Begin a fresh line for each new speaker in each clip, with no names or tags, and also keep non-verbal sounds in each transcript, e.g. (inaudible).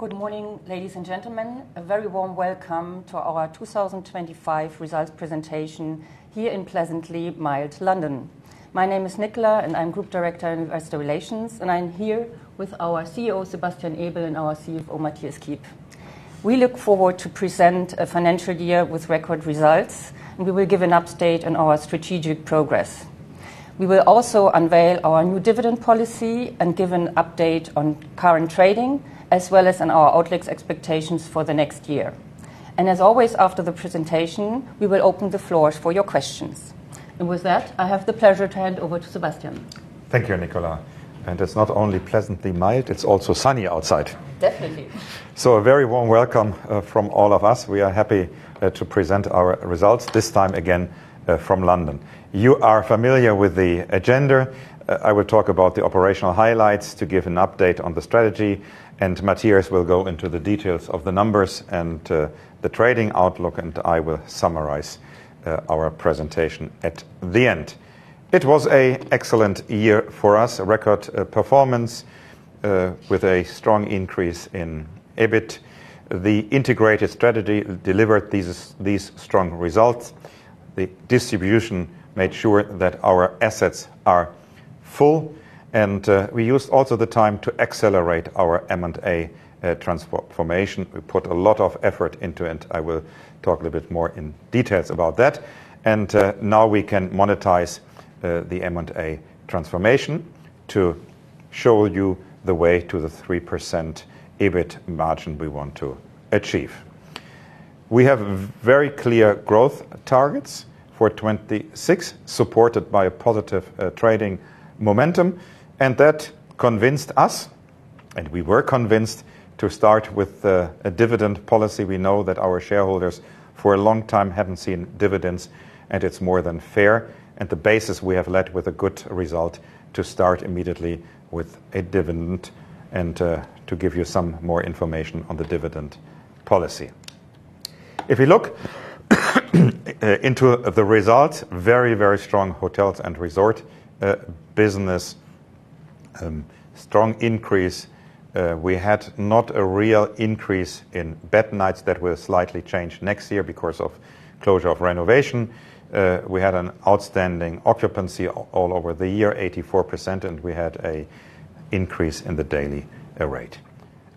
Good morning, ladies and gentlemen. A very warm welcome to our 2025 results presentation here in pleasant, mild London. My name is Nicola and I'm Group Director in Investor Relations, and I'm here with our CEO, Sebastian Ebel, and our CFO, Mathias Kiep. We look forward to presenting a financial year with record results, and we will give an update on our strategic progress. We will also unveil our new dividend policy and give an update on current trading, as well as on our outlook expectations for the next year. And as always, after the presentation, we will open the floor for your questions, and with that, I have the pleasure to hand over to Sebastian.
Thank you, Nicola. And it's not only pleasantly mild, it's also sunny outside.
Definitely.
A very warm welcome from all of us. We are happy to present our results this time again from London. You are familiar with the agenda. I will talk about the operational highlights to give an update on the strategy, and Mathias will go into the details of the numbers and the trading outlook, and I will summarize our presentation at the end. It was an excellent year for us, a record performance with a strong increase in EBIT. The integrated strategy delivered these strong results. The distribution made sure that our assets are full, and we used also the time to accelerate our M&A transformation. We put a lot of effort into it, and I will talk a little bit more in details about that. And now we can monetize the M&A transformation to show you the way to the 3% EBIT margin we want to achieve. We have very clear growth targets for 2026, supported by a positive trading momentum, and that convinced us, and we were convinced, to start with a dividend policy. We know that our shareholders for a long time haven't seen dividends, and it's more than fair. And the basis we have led with a good result to start immediately with a dividend and to give you some more information on the dividend policy. If you look into the results, very, very strong hotels and resort business, strong increase. We had not a real increase in bed nights that will slightly change next year because of closure of renovation. We had an outstanding occupancy all over the year, 84%, and we had an increase in the daily rate.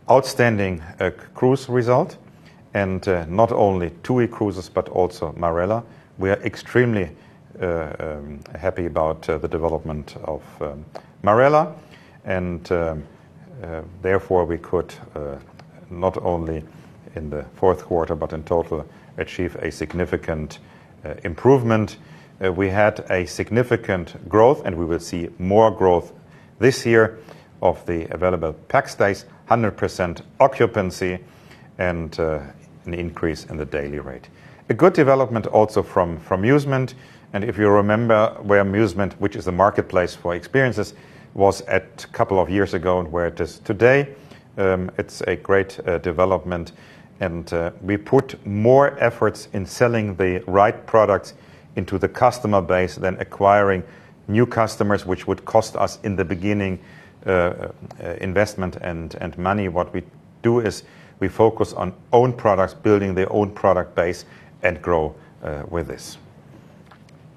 Outstanding cruise result, and not only TUI Cruises, but also Marella. We are extremely happy about the development of Marella, and therefore we could not only in the fourth quarter, but in total achieve a significant improvement. We had a significant growth, and we will see more growth this year of the available pax stays, 100% occupancy, and an increase in the daily rate. A good development also from Musement, and if you remember where Musement, which is a marketplace for experiences, was a couple of years ago and where it is today, it's a great development, and we put more efforts in selling the right products into the customer base than acquiring new customers, which would cost us in the beginning investment and money. What we do is we focus on own products, building their own product base and grow with this,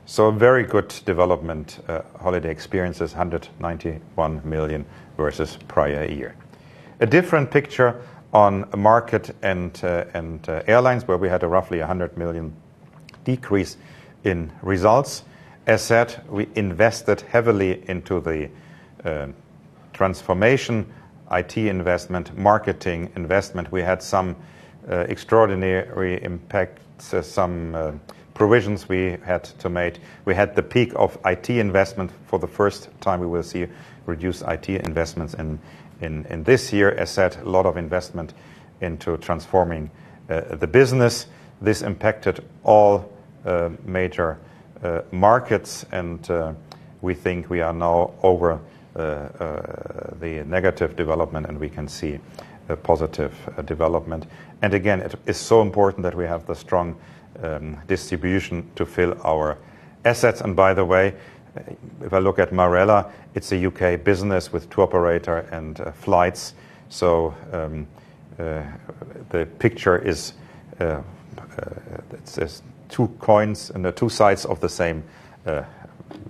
so a very good development, Holiday Experiences, 191 million versus prior year. A different picture on Markets & Airlines where we had a roughly 100 million decrease in results. As said, we invested heavily into the transformation, IT investment, marketing investment. We had some extraordinary impacts, some provisions we had to make. We had the peak of IT investment for the first time. We will see reduced IT investments in this year. As said, a lot of investment into transforming the business. This impacted all major markets, and we think we are now over the negative development, and we can see a positive development. And again, it is so important that we have the strong distribution to fill our assets. And by the way, if I look at Marella, it's a U.K. business with two operators and flights. So the picture is two coins and two sides of the same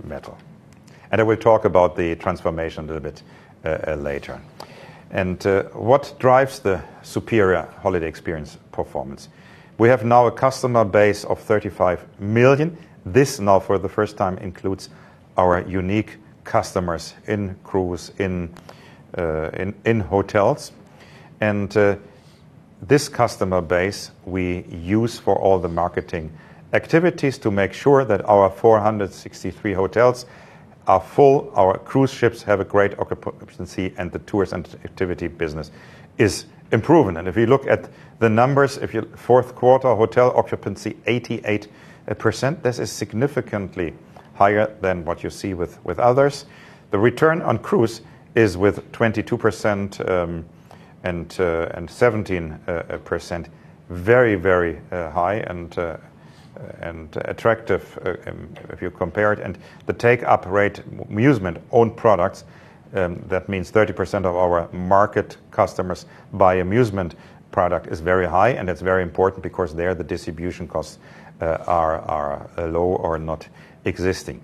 metal. And I will talk about the transformation a little bit later. And what drives the superior holiday experience performance? We have now a customer base of 35 million. This now for the first time includes our unique customers in cruise, in hotels. And this customer base we use for all the marketing activities to make sure that our 463 hotels are full, our cruise ships have a great occupancy, and the tourist activity business is improved. And if you look at the numbers, if you, fourth quarter hotel occupancy 88%, this is significantly higher than what you see with others. The return on cruise is with 22% and 17%, very, very high and attractive if you compare it. And the take-up rate, Musement, own products, that means 30% of our market customers buy Musement product is very high, and it's very important because there the distribution costs are low or not existing.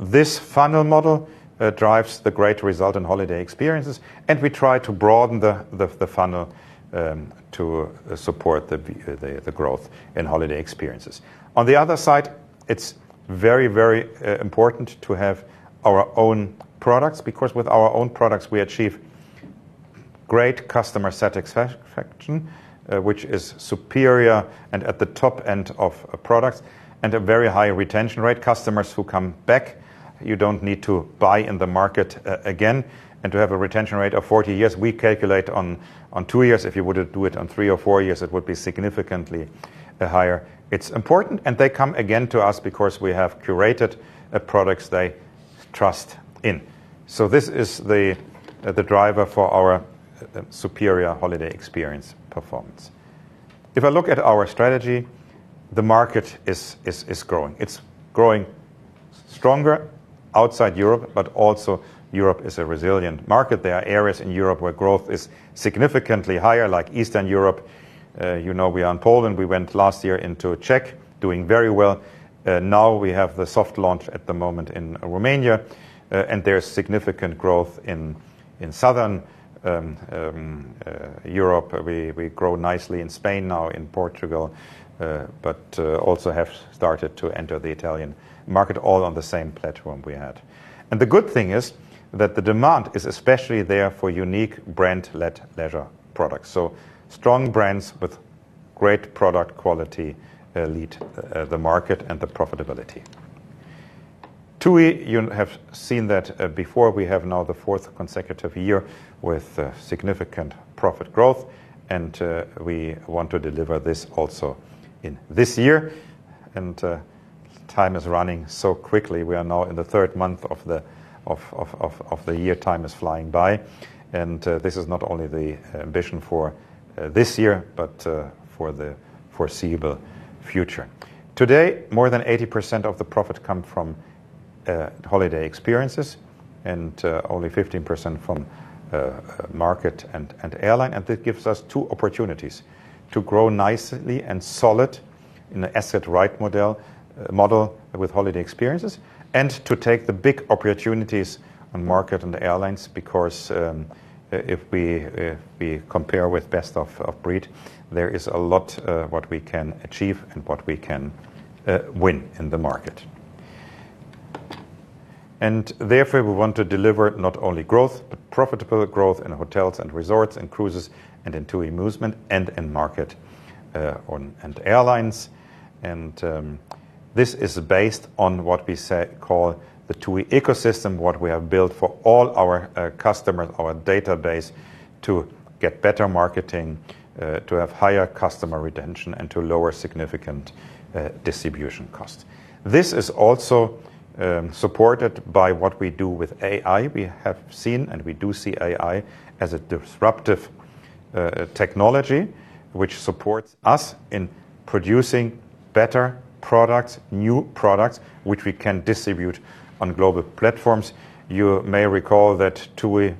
This funnel model drives the great result in Holiday Experiences, and we try to broaden the funnel to support the growth in Holiday Experiences. On the other side, it's very, very important to have our own products because with our own products we achieve great customer satisfaction, which is superior and at the top end of products and a very high retention rate. Customers who come back. You don't need to buy in the market again. To have a retention rate of 40 years, we calculate on two years. If you were to do it on three or four years, it would be significantly higher. It's important, and they come again to us because we have curated products they trust in. This is the driver for our superior holiday experience performance. If I look at our strategy, the market is growing. It's growing stronger outside Europe, but also Europe is a resilient market. There are areas in Europe where growth is significantly higher, like Eastern Europe. You know we are in Poland. We went last year into Czech doing very well. Now we have the soft launch at the moment in Romania, and there's significant growth in Southern Europe. We grow nicely in Spain now, in Portugal, but also have started to enter the Italian market, all on the same platform we had. And the good thing is that the demand is especially there for unique brand-led leisure products. So strong brands with great product quality lead the market and the profitability. TUI, you have seen that before. We have now the fourth consecutive year with significant profit growth, and we want to deliver this also in this year. And time is running so quickly. We are now in the third month of the year. Time is flying by, and this is not only the ambition for this year, but for the foreseeable future. Today, more than 80% of the profit come from Holiday Experiences and only 15% from market and airline, and that gives us two opportunities to grow nicely and solid in the asset-light model with Holiday Experiences and to take the big opportunities on market and airlines because if we compare with best of breed, there is a lot what we can achieve and what we can win in the market, and therefore we want to deliver not only growth, but profitable growth in Hotels & Resorts and Cruises and in TUI Musement and in market and airlines. And this is based on what we call the TUI ecosystem, what we have built for all our customers, our database to get better marketing, to have higher customer retention, and to lower significant distribution costs. This is also supported by what we do with AI. We have seen and we do see AI as a disruptive technology which supports us in producing better products, new products which we can distribute on global platforms. You may recall that TUI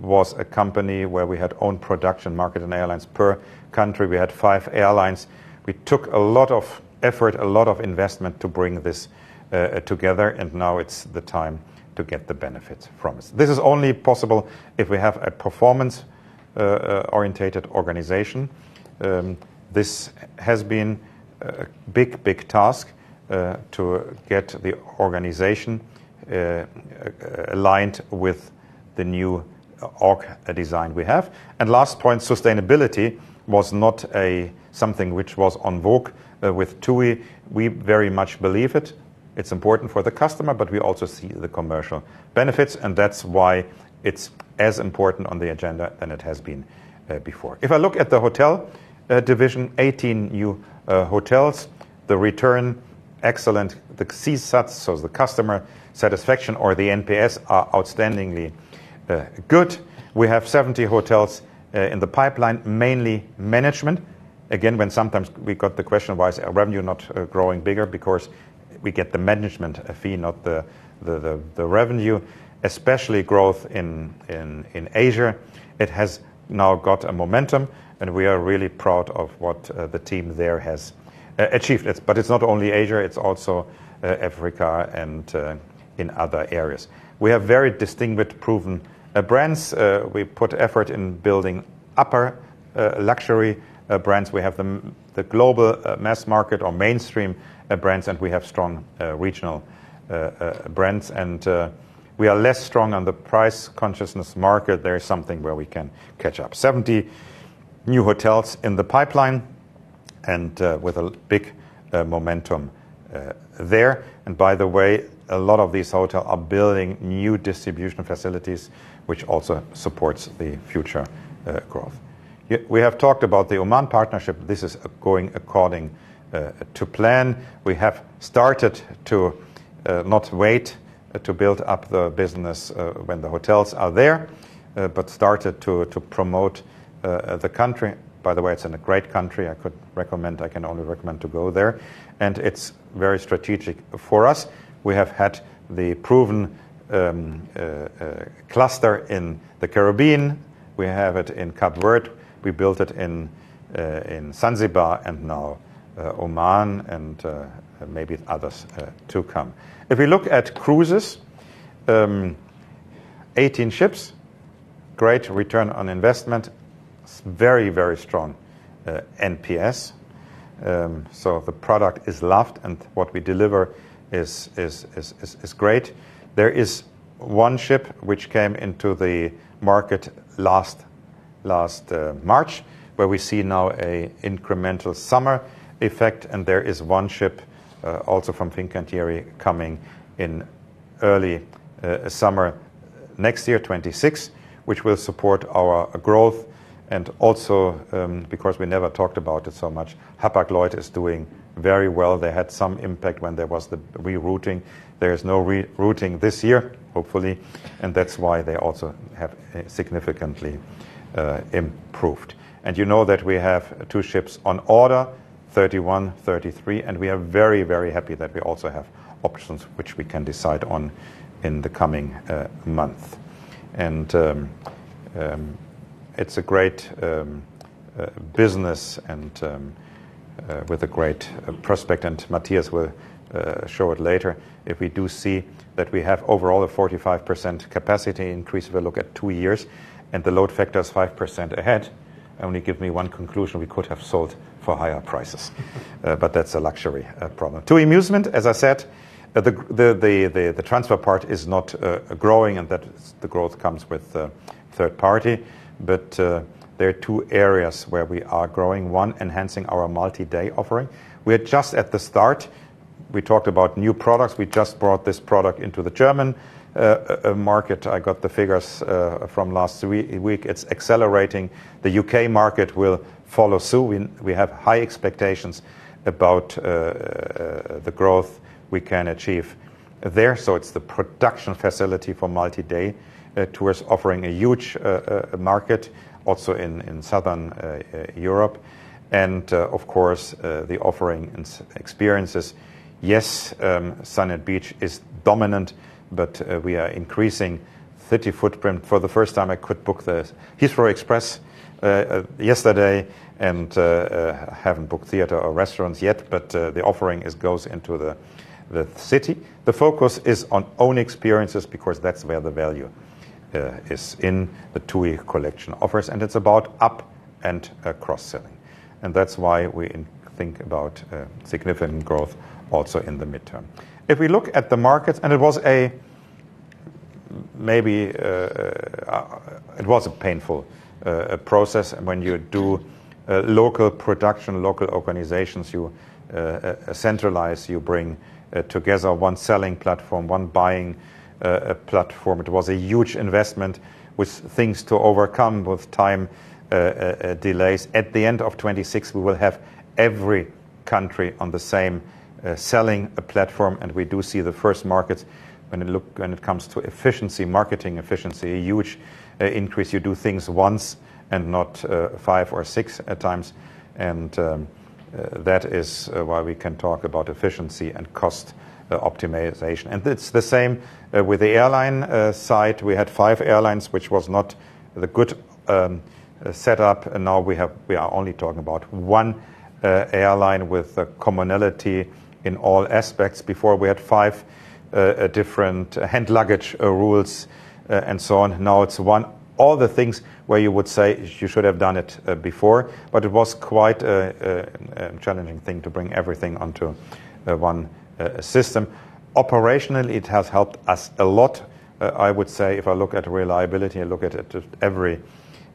was a company where we had owned production, market, and airlines per country. We had five airlines. We took a lot of effort, a lot of investment to bring this together, and now it's the time to get the benefits from it. This is only possible if we have a performance-oriented organization. This has been a big, big task to get the organization aligned with the new org design we have. And last point, sustainability was not something which was in vogue with TUI. We very much believe it. It's important for the customer, but we also see the commercial benefits, and that's why it's as important on the agenda than it has been before. If I look at the hotel division, 18 new hotels, the return excellent, the CSATs, so the customer satisfaction or the NPS are outstandingly good. We have 70 hotels in the pipeline, mainly management. Again, when sometimes we got the question, why is our revenue not growing bigger? Because we get the management fee, not the revenue, especially growth in Asia. It has now got a momentum, and we are really proud of what the team there has achieved. But it's not only Asia, it's also Africa and in other areas. We have very distinguished, proven brands. We put effort in building upper luxury brands. We have the global mass market or mainstream brands, and we have strong regional brands. And we are less strong on the price consciousness market. There is something where we can catch up. 70 new hotels in the pipeline and with a big momentum there. And by the way, a lot of these hotels are building new distribution facilities, which also supports the future growth. We have talked about the Oman partnership. This is going according to plan. We have started to not wait to build up the business when the hotels are there, but started to promote the country. By the way, it's a great country. I could recommend, I can only recommend to go there. And it's very strategic for us. We have had the proven cluster in the Caribbean. We have it in Cape Verde. We built it in Zanzibar and now Oman and maybe others to come. If we look at Cruises, 18 ships, great return on investment, very, very strong NPS, so the product is loved and what we deliver is great. There is one ship which came into the market last March, where we see now an incremental summer effect, and there is one ship also from Fincantieri coming in early summer next year, 2026, which will support our growth, and also because we never talked about it so much, Hapag-Lloyd is doing very well. They had some impact when there was the rerouting. There is no rerouting this year, hopefully, and that's why they also have significantly improved, and you know that we have two ships on order, 31, 33, and we are very, very happy that we also have options which we can decide on in the coming month. It's a great business and with a great prospect, and Mathias will show it later. If we do see that we have overall a 45% capacity increase if we look at two years and the load factor is 5% ahead, only give me one conclusion, we could have sold for higher prices, but that's a luxury problem. TUI Musement, as I said, the transfer part is not growing and that the growth comes with third party, but there are two areas where we are growing. One, enhancing our multi-day offering. We are just at the start. We talked about new products. We just brought this product into the German market. I got the figures from last week. It's accelerating. The U.K. market will follow suit. We have high expectations about the growth we can achieve there. So it's the production facility for multi-day tours offering a huge market also in Southern Europe. And of course, the offering and experiences. Yes, Sun and Beach is dominant, but we are increasing city footprint. For the first time, I could book the Heathrow Express yesterday and haven't booked theater or restaurants yet, but the offering goes into the city. The focus is on own experiences because that's where the value is in the TUI Collection offers. And it's about up and cross-selling. And that's why we think about significant growth also in the midterm. If we look at the markets, and maybe it was a painful process when you do local production, local organizations, you centralize, you bring together one selling platform, one buying platform. It was a huge investment with things to overcome with time delays. At the end of 2026, we will have every country on the same selling platform, and we do see the first markets when it comes to efficiency, marketing efficiency, a huge increase. You do things once and not five or six at times, and that is why we can talk about efficiency and cost optimization, and it's the same with the airline side. We had five airlines, which was not the good setup, and now we are only talking about one airline with commonality in all aspects. Before, we had five different hand luggage rules and so on. Now it's one. All the things where you would say you should have done it before, but it was quite a challenging thing to bring everything onto one system. Operationally, it has helped us a lot, I would say. If I look at reliability and look at every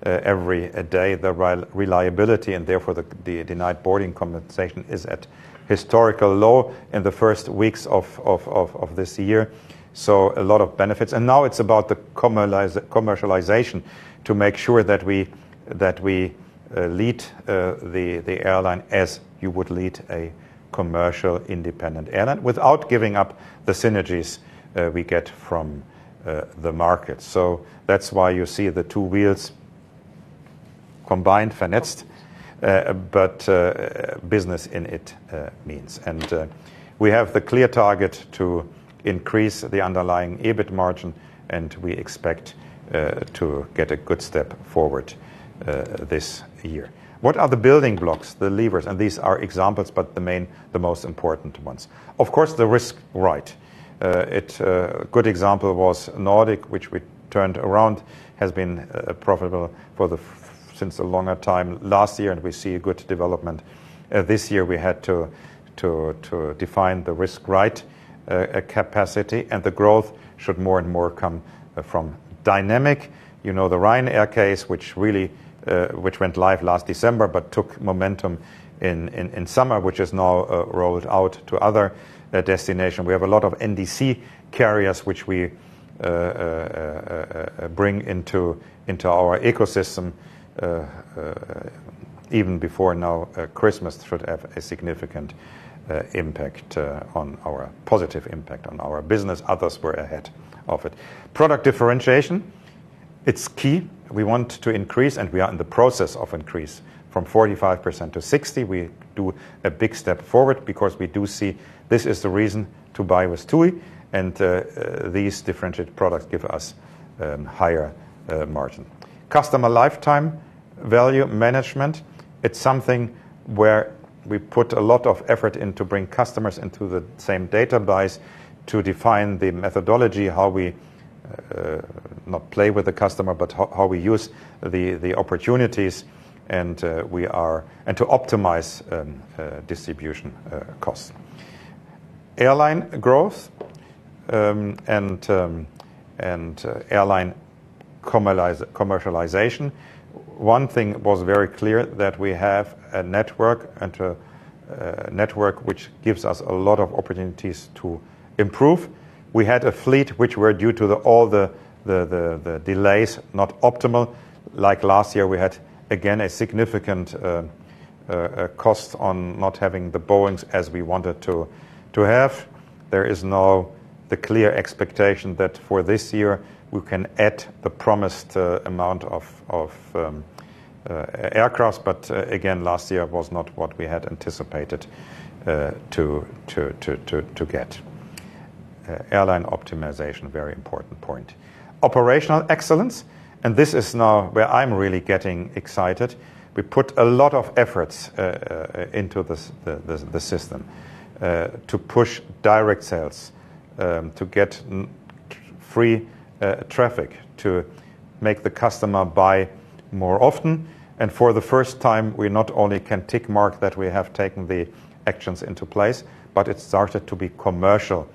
day, the reliability and therefore the denied boarding compensation is at historical low in the first weeks of this year, so a lot of benefits, and now it's about the commercialization to make sure that we lead the airline as you would lead a commercial independent airline without giving up the synergies we get from the market, so that's why you see the two wheels combined, financed, but business independent, and we have the clear target to increase the underlying EBIT margin, and we expect to get a good step forward this year. What are the building blocks, the levers, and these are examples, but the most important ones. Of course, the risk capacity. A good example was Nordic, which we turned around, has been profitable for the longer time last year, and we see a good development. This year, we had to define the risk capacity, and the growth should more and more come from dynamic. You know the Ryanair case, which went live last December but took momentum in summer, which has now rolled out to other destinations. We have a lot of NDC carriers, which we bring into our ecosystem even before Christmas now should have a significant positive impact on our business. Others were ahead of it. Product differentiation, it's key. We want to increase, and we are in the process of increase from 45%-60%. We do a big step forward because we do see this is the reason to buy with TUI, and these differentiated products give us higher margin. Customer Lifetime Value management, it's something where we put a lot of effort into bringing customers into the same database to define the methodology, how we not play with the customer, but how we use the opportunities and to optimize distribution costs. Airline growth and airline commercialization. One thing was very clear that we have a network and a network which gives us a lot of opportunities to improve. We had a fleet which were due to all the delays, not optimal. Like last year, we had again a significant cost on not having the Boeings as we wanted to have. There is now the clear expectation that for this year, we can add the promised amount of aircraft, but again, last year was not what we had anticipated to get. Airline optimization, very important point. Operational excellence, and this is now where I'm really getting excited. We put a lot of efforts into the system to push direct sales, to get free traffic, to make the customer buy more often. And for the first time, we not only can tick mark that we have taken the actions into place, but it started to be commercially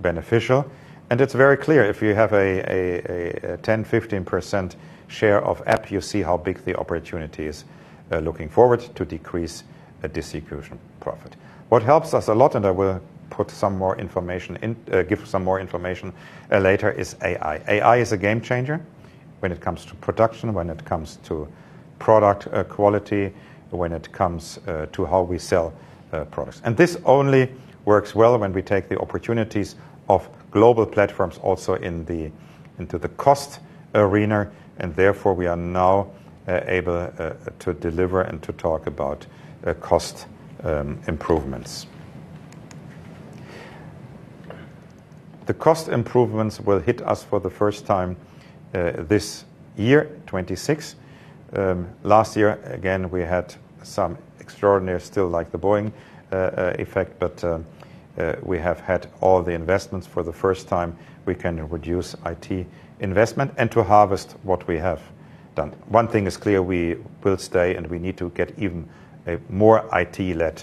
beneficial. And it's very clear if you have a 10%-15% share of app, you see how big the opportunity is looking forward to decrease distribution profit. What helps us a lot, and I will put some more information in, give some more information later, is AI. AI is a game changer when it comes to production, when it comes to product quality, when it comes to how we sell products. And this only works well when we take the opportunities of global platforms also into the cost arena. And therefore, we are now able to deliver and to talk about cost improvements. The cost improvements will hit us for the first time this year, 2026. Last year, again, we had some extraordinary still like the Boeing effect, but we have had all the investments for the first time. We can reduce IT investment and to harvest what we have done. One thing is clear, we will stay and we need to get even a more IT-led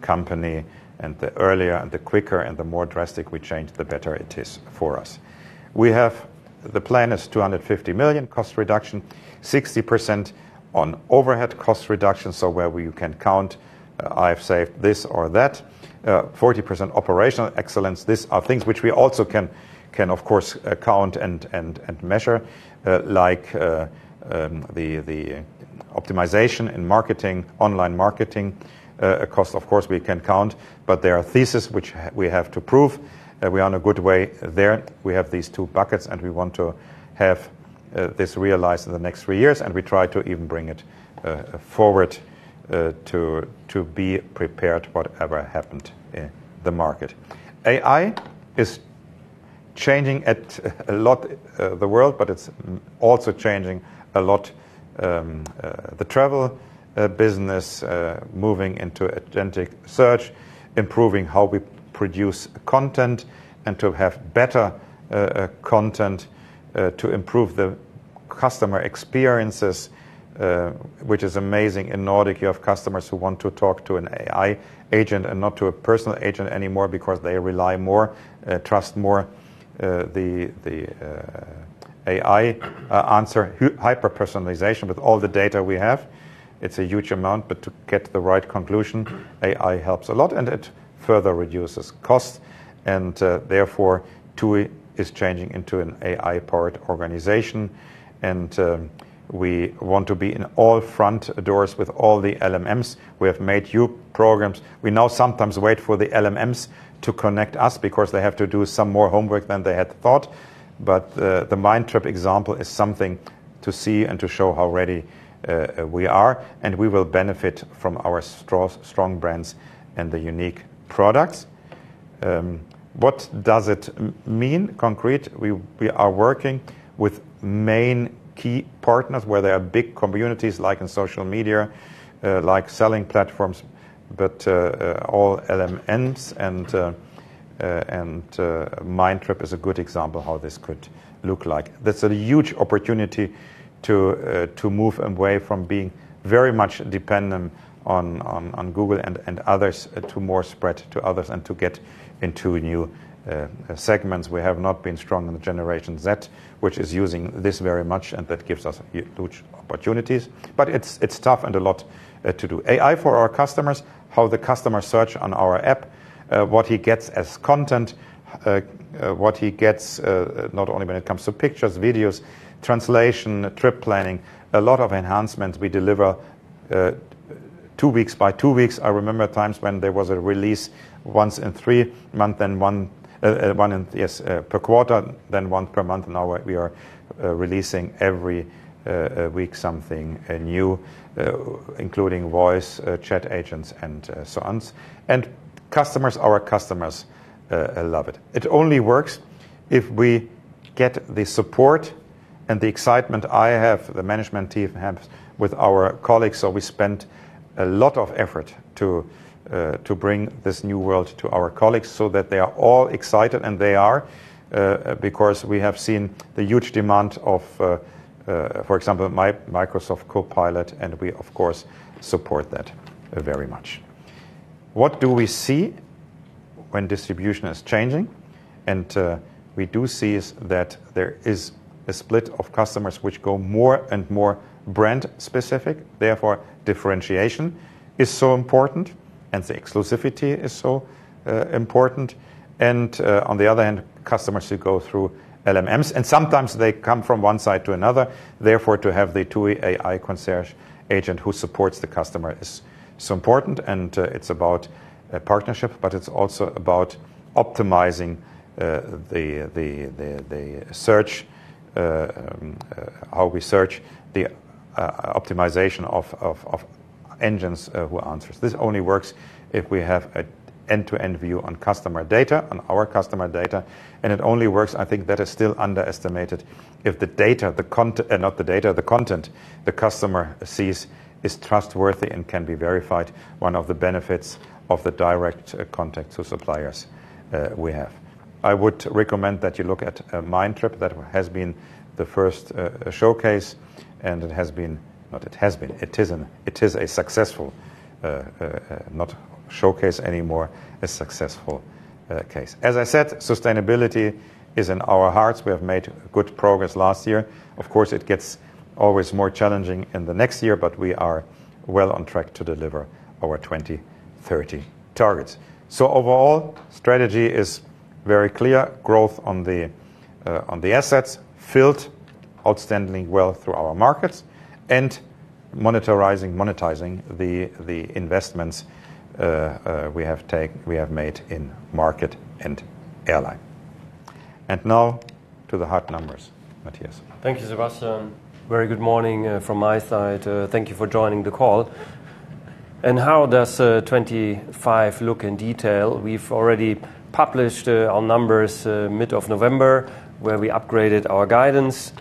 company. And the earlier and the quicker and the more drastic we change, the better it is for us. We have the plan is 250 million cost reduction, 60% on overhead cost reduction, so where we can count, I've saved this or that, 40% operational excellence. These are things which we also can, of course, count and measure, like the optimization in marketing, online marketing cost. Of course, we can count, but there are theses which we have to prove. We are in a good way there. We have these two buckets and we want to have this realized in the next three years, and we try to even bring it forward to be prepared whatever happened in the market. AI is changing a lot the world, but it's also changing a lot the travel business, moving into agentic search, improving how we produce content and to have better content to improve the customer experiences, which is amazing. In Nordics, you have customers who want to talk to an AI agent and not to a personal agent anymore because they rely more, trust more the AI answer, hyper-personalization with all the data we have. It's a huge amount, but to get the right conclusion, AI helps a lot and it further reduces cost. Therefore, TUI is changing into an AI-powered organization. We want to be in all front doors with all the LLMs. We have made APIs. We now sometimes wait for the LLMs to connect us because they have to do some more homework than they had thought. But the Mindtrip example is something to see and to show how ready we are. We will benefit from our strong brands and the unique products. What does it mean concretely? We are working with main key partners where there are big communities like in social media, like selling platforms, but all LLMs and Mindtrip is a good example of how this could look like. That's a huge opportunity to move away from being very much dependent on Google and others to more spread to others and to get into new segments. We have not been strong in the Generation Z, which is using this very much and that gives us huge opportunities. But it's tough and a lot to do. AI for our customers, how the customer search on our app, what he gets as content, what he gets not only when it comes to pictures, videos, translation, trip planning, a lot of enhancements. We deliver two weeks by two weeks. I remember times when there was a release once in three months, then one per quarter, then one per month. Now we are releasing every week something new, including voice, chat agents, and so on, and customers, our customers love it. It only works if we get the support and the excitement I have, the management team have with our colleagues. So we spent a lot of effort to bring this new world to our colleagues so that they are all excited and they are because we have seen the huge demand of, for example, Microsoft Copilot, and we, of course, support that very much. What do we see when distribution is changing? And we do see that there is a split of customers which go more and more brand specific. Therefore, differentiation is so important and the exclusivity is so important. And on the other hand, customers who go through LLMs, and sometimes they come from one side to another. Therefore, to have the TUI AI concierge agent who supports the customer is so important. And it's about partnership, but it's also about optimizing the search, how we search, the optimization of engines who answers. This only works if we have an end-to-end view on customer data, on our customer data. And it only works, I think that is still underestimated, if the data, not the data, the content the customer sees is trustworthy and can be verified, one of the benefits of the direct contact to suppliers we have. I would recommend that you look at Mindtrip. That has been the first showcase, and it has been not, it has been, it is a successful, not showcase anymore, a successful case. As I said, sustainability is in our hearts. We have made good progress last year. Of course, it gets always more challenging in the next year, but we are well on track to deliver our 2030 targets. So overall, strategy is very clear, growth on the assets, filled outstanding well through our markets, and monetizing the investments we have made in market and airline. And now to the hard numbers, Mathias.
Thank you, Sebastian. Very good morning from my side. Thank you for joining the call. And how does 2025 look in detail? We've already published our numbers mid of November where we upgraded our guidance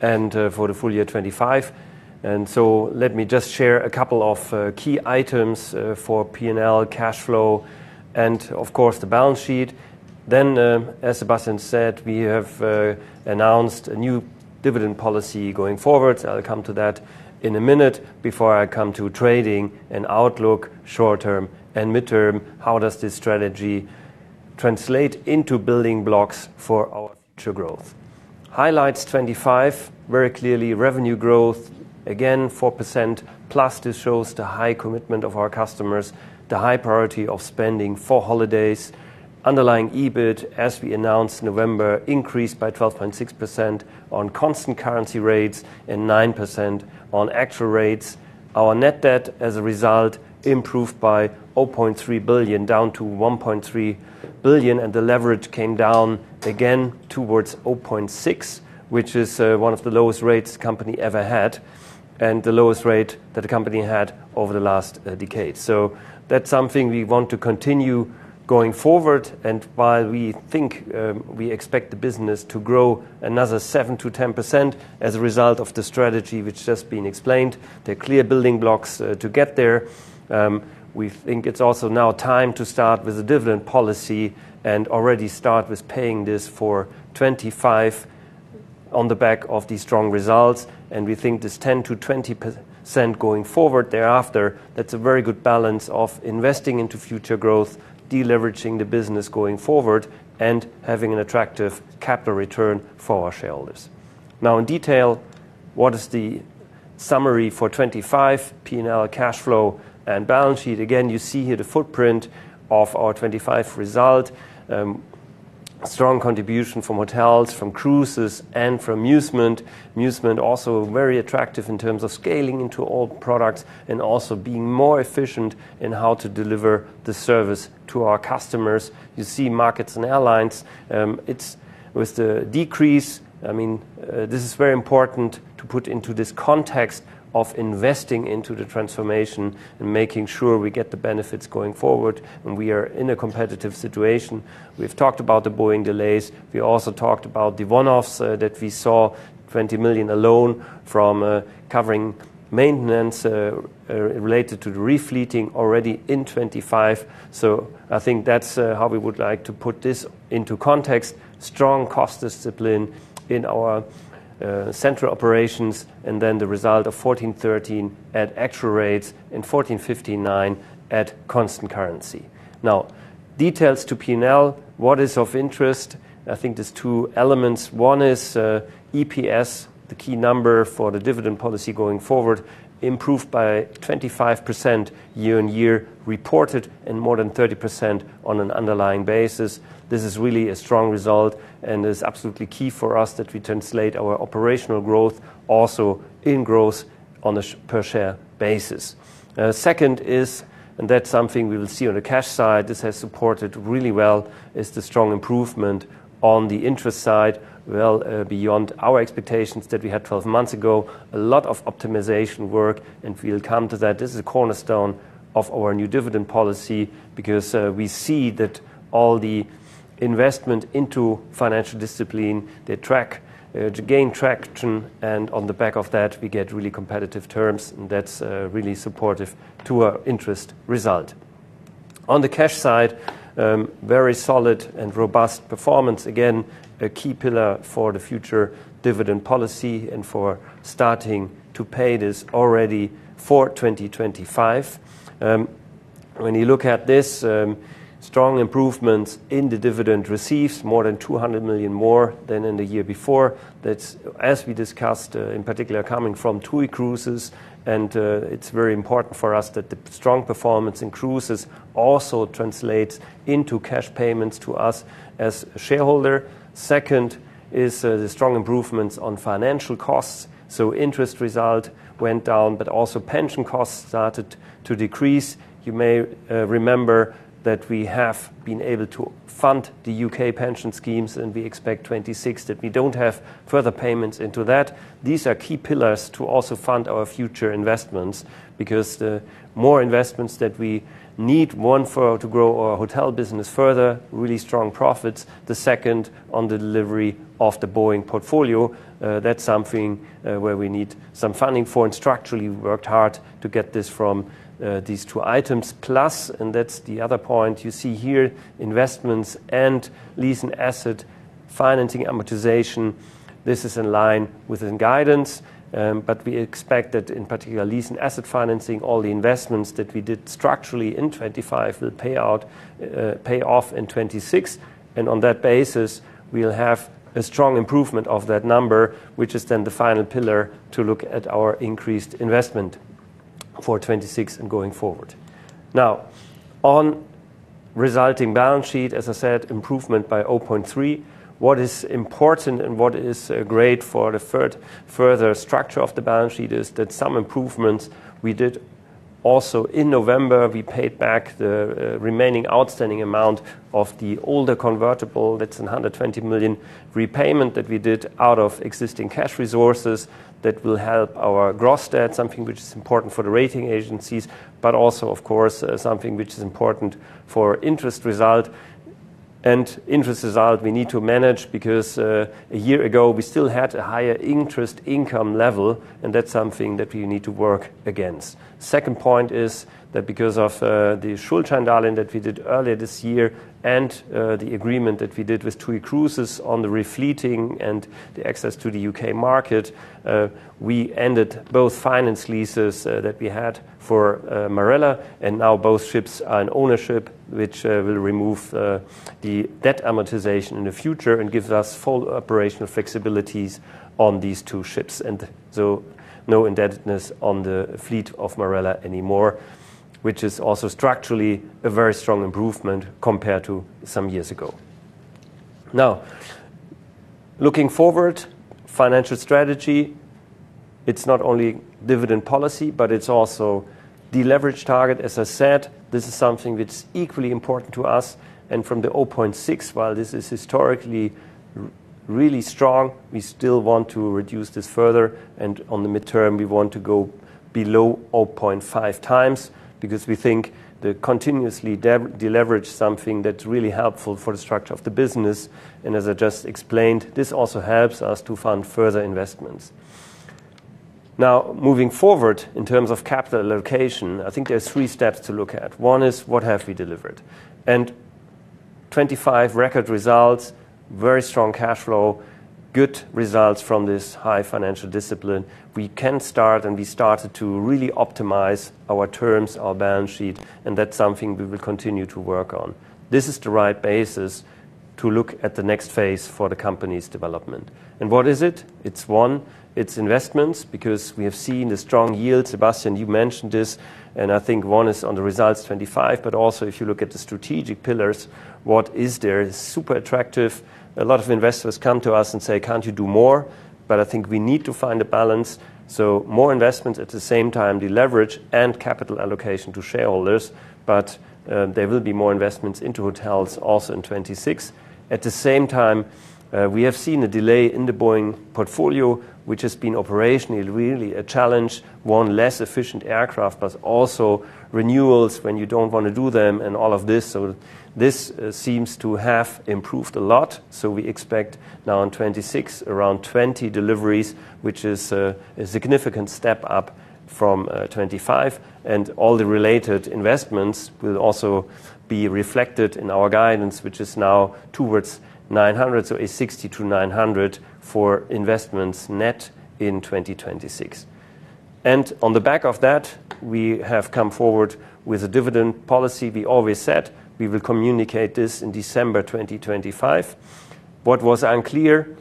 and for the full year 2025. And so let me just share a couple of key items for P&L, cash flow, and of course, the balance sheet. Then, as Sebastian said, we have announced a new dividend policy going forward. I'll come to that in a minute. Before I come to trading and outlook short term and mid term, how does this strategy translate into building blocks for our future growth? Highlights 2025, very clearly revenue growth, again 4% plus. This shows the high commitment of our customers, the high priority of spending for holidays. Underlying EBIT, as we announced November, increased by 12.6% on constant currency rates and 9% on actual rates. Our net debt as a result improved by 0.3 billion, down to 1.3 billion, and the leverage came down again towards 0.6, which is one of the lowest rates the company ever had and the lowest rate that the company had over the last decade. So that's something we want to continue going forward. And while we think we expect the business to grow another 7%-10% as a result of the strategy which has just been explained, there are clear building blocks to get there. We think it's also now time to start with a dividend policy and already start with paying this for 2025 on the back of these strong results. And we think this 10%-20% going forward thereafter, that's a very good balance of investing into future growth, deleveraging the business going forward, and having an attractive capital return for our shareholders. Now, in detail, what is the summary for 2025 P&L, cash flow, and balance sheet? Again, you see here the footprint of our 2025 result, strong contribution from hotels, from Cruises, and from Musement. Musement also very attractive in terms of scaling into all products and also being more efficient in how to deliver the service to our customers. You see Markets & Airlines. It's with the decrease, I mean, this is very important to put into this context of investing into the transformation and making sure we get the benefits going forward when we are in a competitive situation. We've talked about the Boeing delays. We also talked about the one-offs that we saw, 20 million alone from covering maintenance related to the refleeting already in 2025. So I think that's how we would like to put this into context, strong cost discipline in our central operations, and then the result of 1,413 at actual rates and 1,459 at constant currency. Now, details to P&L, what is of interest? I think there's two elements. One is EPS, the key number for the dividend policy going forward, improved by 25% year-on-year reported and more than 30% on an underlying basis. This is really a strong result and is absolutely key for us that we translate our operational growth also in growth on a per share basis. Second is, and that's something we will see on the cash side, this has supported really well, is the strong improvement on the interest side, well beyond our expectations that we had 12 months ago, a lot of optimization work, and we'll come to that. This is a cornerstone of our new dividend policy because we see that all the investment into financial discipline, they track, gain traction, and on the back of that, we get really competitive terms, and that's really supportive to our interest result. On the cash side, very solid and robust performance, again, a key pillar for the future dividend policy and for starting to pay this already for 2025. When you look at this, strong improvements in the dividend receipts, more than 200 million more than in the year before. That's, as we discussed in particular, coming from TUI Cruises, and it's very important for us that the strong performance in Cruises also translates into cash payments to us as shareholders. Second is the strong improvements on financial costs. So interest result went down, but also pension costs started to decrease. You may remember that we have been able to fund the U.K. pension schemes, and we expect 2026 that we don't have further payments into that. These are key pillars to also fund our future investments because the more investments that we need, one for to grow our hotel business further, really strong profits. The second on the delivery of the Boeing portfolio, that's something where we need some funding for and structurally worked hard to get this from these two items. Plus, and that's the other point you see here, investments and lease and asset financing amortization. This is in line with the guidance, but we expect that in particular lease and asset financing, all the investments that we did structurally in 2025 will pay off in 2026, and on that basis, we'll have a strong improvement of that number, which is then the final pillar to look at our increased investment for 2026 and going forward. Now, on resulting balance sheet, as I said, improvement by 0.3. What is important and what is great for the further structure of the balance sheet is that some improvements we did also in November. We paid back the remaining outstanding amount of the older convertible. That's 120 million repayment that we did out of existing cash resources that will help our gross debt, something which is important for the rating agencies, but also, of course, something which is important for interest result. And interest result we need to manage because a year ago we still had a higher interest income level, and that's something that we need to work against. Second point is that because of the Schuldschein that we did earlier this year and the agreement that we did with TUI Cruises on the refleeting and the access to the U.K. market, we ended both finance leases that we had for Marella, and now both ships are in ownership, which will remove the debt amortization in the future and gives us full operational flexibilities on these two ships. And so no indebtedness on the fleet of Marella anymore, which is also structurally a very strong improvement compared to some years ago. Now, looking forward, financial strategy, it's not only dividend policy, but it's also deleverage target. As I said, this is something which is equally important to us. And from the 0.6, while this is historically really strong, we still want to reduce this further. And on the mid-term, we want to go below 0.5 times because we think the continuous deleveraging is something that's really helpful for the structure of the business. And as I just explained, this also helps us to fund further investments. Now, moving forward in terms of capital allocation, I think there's three steps to look at. One is what have we delivered? And 25 record results, very strong cash flow, good results from this high financial discipline. We can start, and we started to really optimize our terms, our balance sheet, and that's something we will continue to work on. This is the right basis to look at the next phase for the company's development. And what is it? It's one, it's investments because we have seen the strong yield. Sebastian, you mentioned this, and I think one is on the results 2025, but also if you look at the strategic pillars, what is there is super attractive. A lot of investors come to us and say, "Can't you do more?" But I think we need to find a balance. So more investments at the same time, deleverage and capital allocation to shareholders, but there will be more investments into hotels also in 2026. At the same time, we have seen a delay in the Boeing portfolio, which has been operationally really a challenge, one less efficient aircraft, but also renewals when you don't want to do them and all of this. So this seems to have improved a lot. So we expect now in 2026 around 20 deliveries, which is a significant step up from 2025. And all the related investments will also be reflected in our guidance, which is now towards 900, so 60-900 for investments net in 2026. And on the back of that, we have come forward with a dividend policy. We always said we will communicate this in December 2025. What was unclear,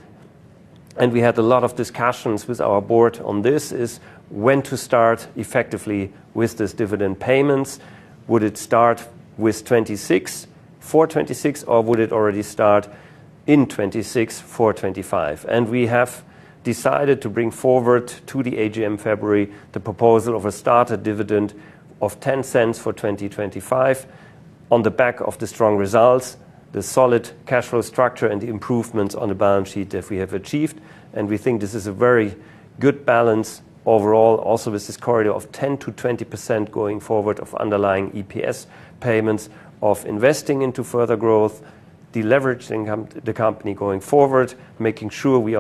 and we had a lot of discussions with our board on this, is when to start effectively with this dividend payments. Would it start with 2026 for 2026, or would it already start in 2026 for 2025? And we have decided to bring forward to the AGM February the proposal of a starter dividend of 0.10 for 2025 on the back of the strong results, the solid cash flow structure, and the improvements on the balance sheet that we have achieved. And we think this is a very good balance overall, also with this corridor of 10%-20% going forward of underlying EPS payments, of investing into further growth, deleveraging the company going forward, making sure we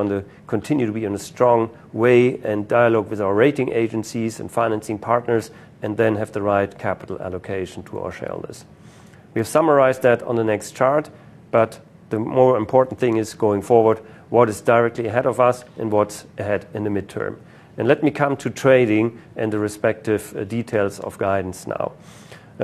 continue to be in a strong way and dialogue with our rating agencies and financing partners, and then have the right capital allocation to our shareholders. We have summarized that on the next chart, but the more important thing is going forward, what is directly ahead of us and what's ahead in the mid term. And let me come to trading and the respective details of guidance now.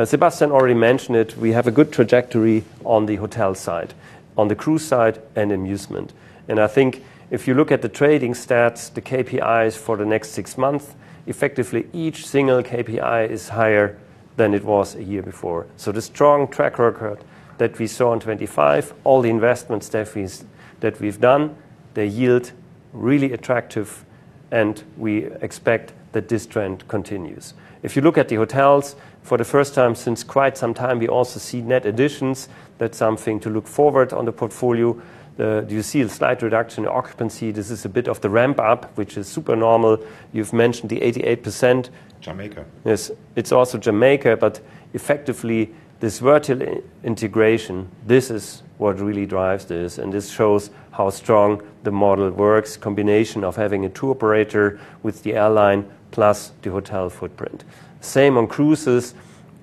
Sebastian already mentioned it. We have a good trajectory on the hotel side, on the cruise side and Musement. And I think if you look at the trading stats, the KPIs for the next six months, effectively each single KPI is higher than it was a year before. So the strong track record that we saw in 2025, all the investments that we've done, they yield really attractive, and we expect that this trend continues. If you look at the hotels for the first time since quite some time, we also see net additions. That's something to look forward on the portfolio. You see a slight reduction in occupancy. This is a bit of the ramp up, which is super normal. You've mentioned the 88%. Jamaica. Yes, it's also Jamaica, but effectively this vertical integration, this is what really drives this, and this shows how strong the model works, combination of having a tour operator with the airline plus the hotel footprint. Same on Cruises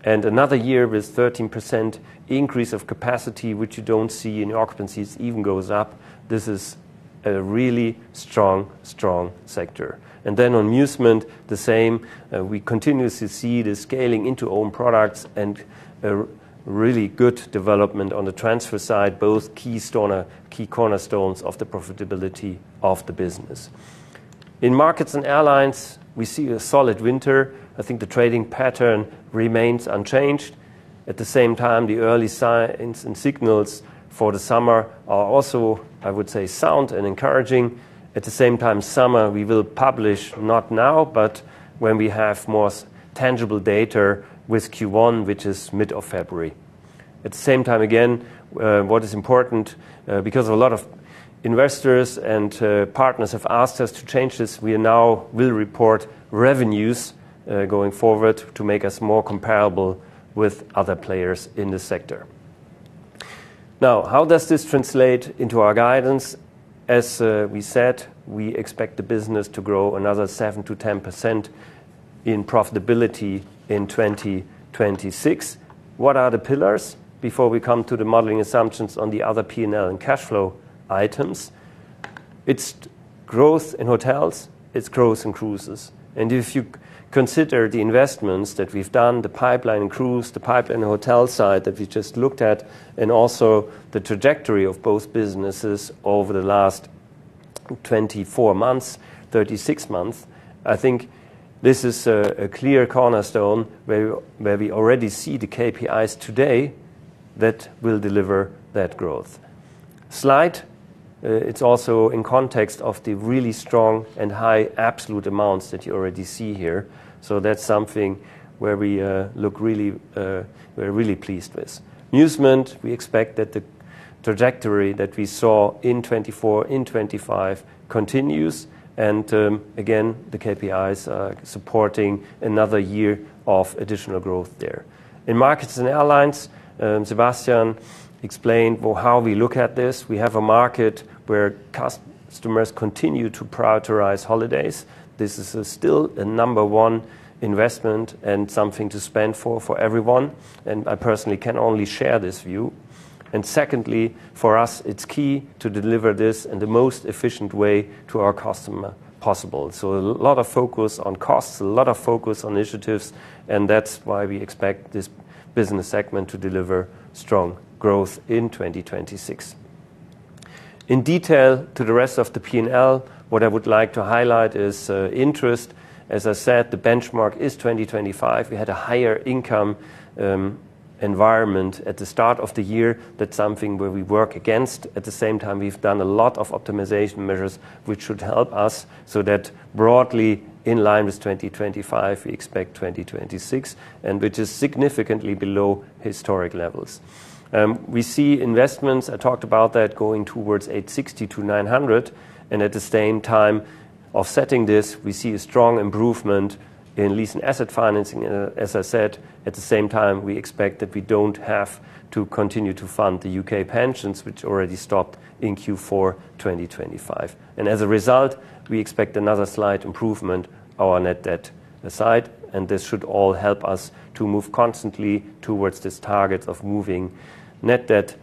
and another year with 13% increase of capacity, which you don't see in occupancy. It even goes up. This is a really strong, strong sector. And then on Musement, the same, we continuously see the scaling into own products and really good development on the transfer side, both key cornerstones of the profitability of the business. In Markets & Airlines, we see a solid winter. I think the trading pattern remains unchanged. At the same time, the early signs and signals for the summer are also, I would say, sound and encouraging. At the same time, summer, we will publish not now, but when we have more tangible data with Q1, which is mid of February. At the same time, again, what is important because a lot of investors and partners have asked us to change this, we now will report revenues going forward to make us more comparable with other players in the sector. Now, how does this translate into our guidance? As we said, we expect the business to grow another 7%-10% in profitability in 2026. What are the pillars before we come to the modeling assumptions on the other P&L and cash flow items? It's growth in hotels, it's growth in Cruises, and if you consider the investments that we've done, the pipeline in cruise, the pipeline in hotel side that we just looked at, and also the trajectory of both businesses over the last 24 months, 36 months, I think this is a clear cornerstone where we already see the KPIs today that will deliver that growth. Slide. It's also in context of the really strong and high absolute amounts that you already see here. So that's something where we look really, we're really pleased us. Musement, we expect that the trajectory that we saw in 2024, in 2025 continues. And again, the KPIs are supporting another year of additional growth there. In Markets & Airlines, Sebastian explained how we look at this. We have a market where customers continue to prioritize holidays. This is still a number one investment and something to spend for everyone. And I personally can only share this view. And secondly, for us, it's key to deliver this in the most efficient way to our customer possible. So a lot of focus on costs, a lot of focus on initiatives, and that's why we expect this business segment to deliver strong growth in 2026. In detail to the rest of the P&L, what I would like to highlight is interest. As I said, the benchmark is 2025. We had a higher income environment at the start of the year. That's something where we work against. At the same time, we've done a lot of optimization measures, which should help us so that broadly in line with 2025, we expect 2026, and which is significantly below historic levels. We see investments, I talked about that going towards 860-900, and at the same time offsetting this, we see a strong improvement in lease and asset financing. As I said, at the same time, we expect that we don't have to continue to fund the U.K. pensions, which already stopped in Q4 2025. And as a result, we expect another slight improvement, our net debt side, and this should all help us to move constantly towards this target of moving net debt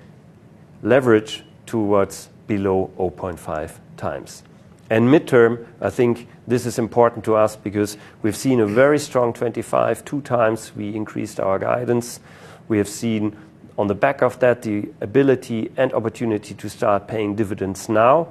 leverage towards below 0.5 times. And mid-term, I think this is important to us because we've seen a very strong 2025, two times we increased our guidance. We have seen on the back of that the ability and opportunity to start paying dividends now.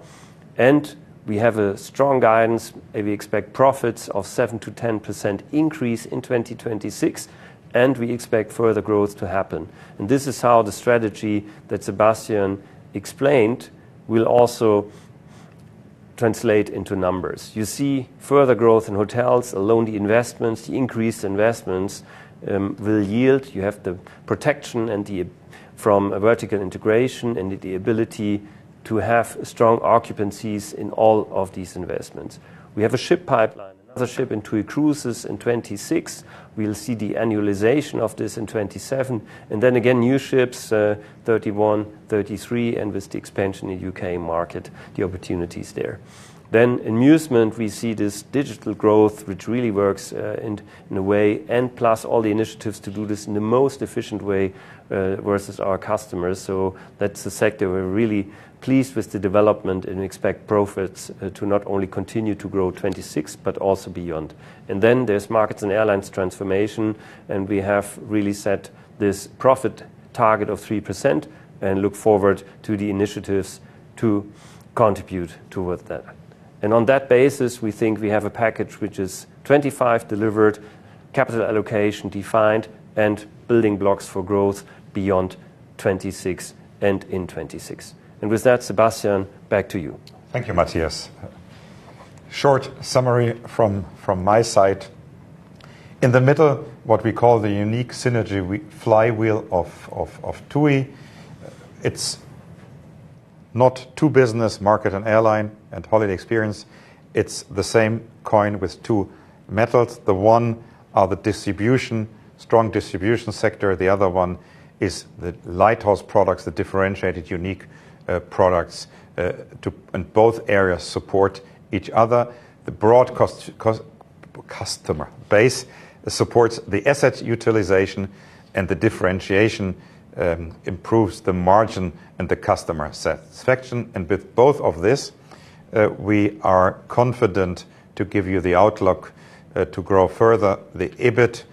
And we have a strong guidance, and we expect profits of 7%-10% increase in 2026, and we expect further growth to happen. And this is how the strategy that Sebastian explained will also translate into numbers. You see further growth in hotels alone, the investments, the increased investments will yield. You have the protection and the vertical integration and the ability to have strong occupancies in all of these investments. We have a ship pipeline, another ship in TUI Cruises in 2026. We'll see the annualization of this in 2027, and then again, new ships 2031, 2033, and with the expansion in U.K. market, the opportunities there, then in Musement, we see this digital growth, which really works in a way, and plus all the initiatives to do this in the most efficient way versus our customers, so that's a sector we're really pleased with the development and expect profits to not only continue to grow 2026, but also beyond, and then there's Markets & Airlines transformation, and we have really set this profit target of 3% and look forward to the initiatives to contribute towards that, and on that basis, we think we have a package which is 2025 delivered, capital allocation defined, and building blocks for growth beyond 2026 and in 2026. And with that, Sebastian, back to you.
Thank you, Mathias. Short summary from my side. In the middle, what we call the unique synergy flywheel of TUI. It's not two business, market and airline and holiday experience. It's the same coin with two metals. The one are the distribution, strong distribution sector. The other one is the lighthouse products, the differentiated unique products, and both areas support each other. The broad customer base supports the asset utilization and the differentiation improves the margin and the customer satisfaction. And with both of this, we are confident to give you the outlook to grow further, the EBIT,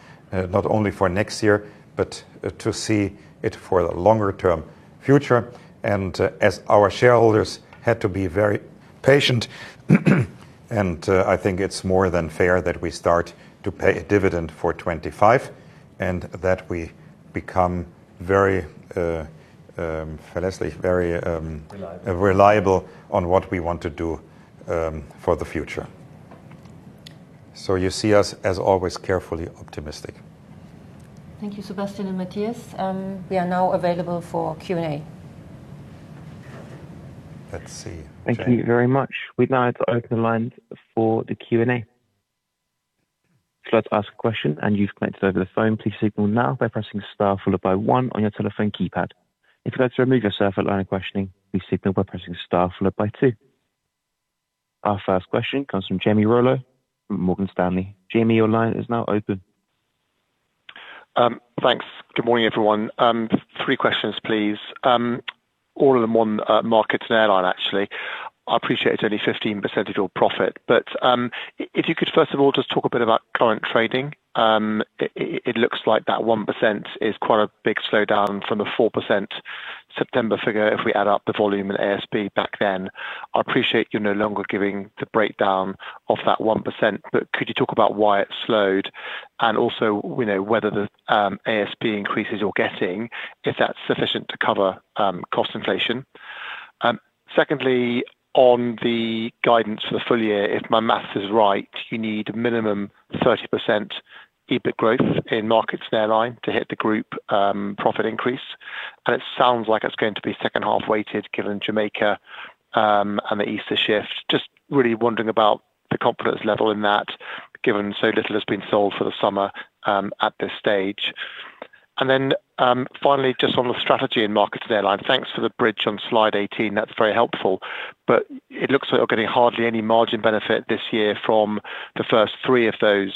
not only for next year, but to see it for the longer term future. And as our shareholders had to be very patient, and I think it's more than fair that we start to pay a dividend for 2025 and that we become very reliable on what we want to do for the future.
So you see us as always carefully optimistic.
Thank you, Sebastian and Mathias. We are now available for Q&A.
Let's see.
Thank you very much. We'd like to open the line for the Q&A. If you'd like to ask a question and you've connected over the phone, please signal now by pressing star followed by one on your telephone keypad. If you'd like to remove yourself out of the line of questioning, please signal by pressing star followed by two. Our first question comes from Jamie Rollo from Morgan Stanley. Jamie, your line is now open.
Thanks. Good morning, everyone. Three questions, please. All in one market and airline, actually. I appreciate it's only 15% of your profit, but if you could, first of all, just talk a bit about current trading. It looks like that 1% is quite a big slowdown from the 4% September figure if we add up the volume and ASP back then. I appreciate you're no longer giving the breakdown of that 1%, but could you talk about why it slowed and also whether the ASP increases you're getting, if that's sufficient to cover cost inflation? Secondly, on the guidance for the full year, if my math is right, you need a minimum 30% EBIT growth in markets and airline to hit the group profit increase. And it sounds like it's going to be second-half weighted given Jamaica and the Easter shift. Just really wondering about the confidence level in that given so little has been sold for the summer at this stage. And then finally, just on the strategy in markets and airline, thanks for the bridge on slide 18. That's very helpful, but it looks like you're getting hardly any margin benefit this year from the first three of those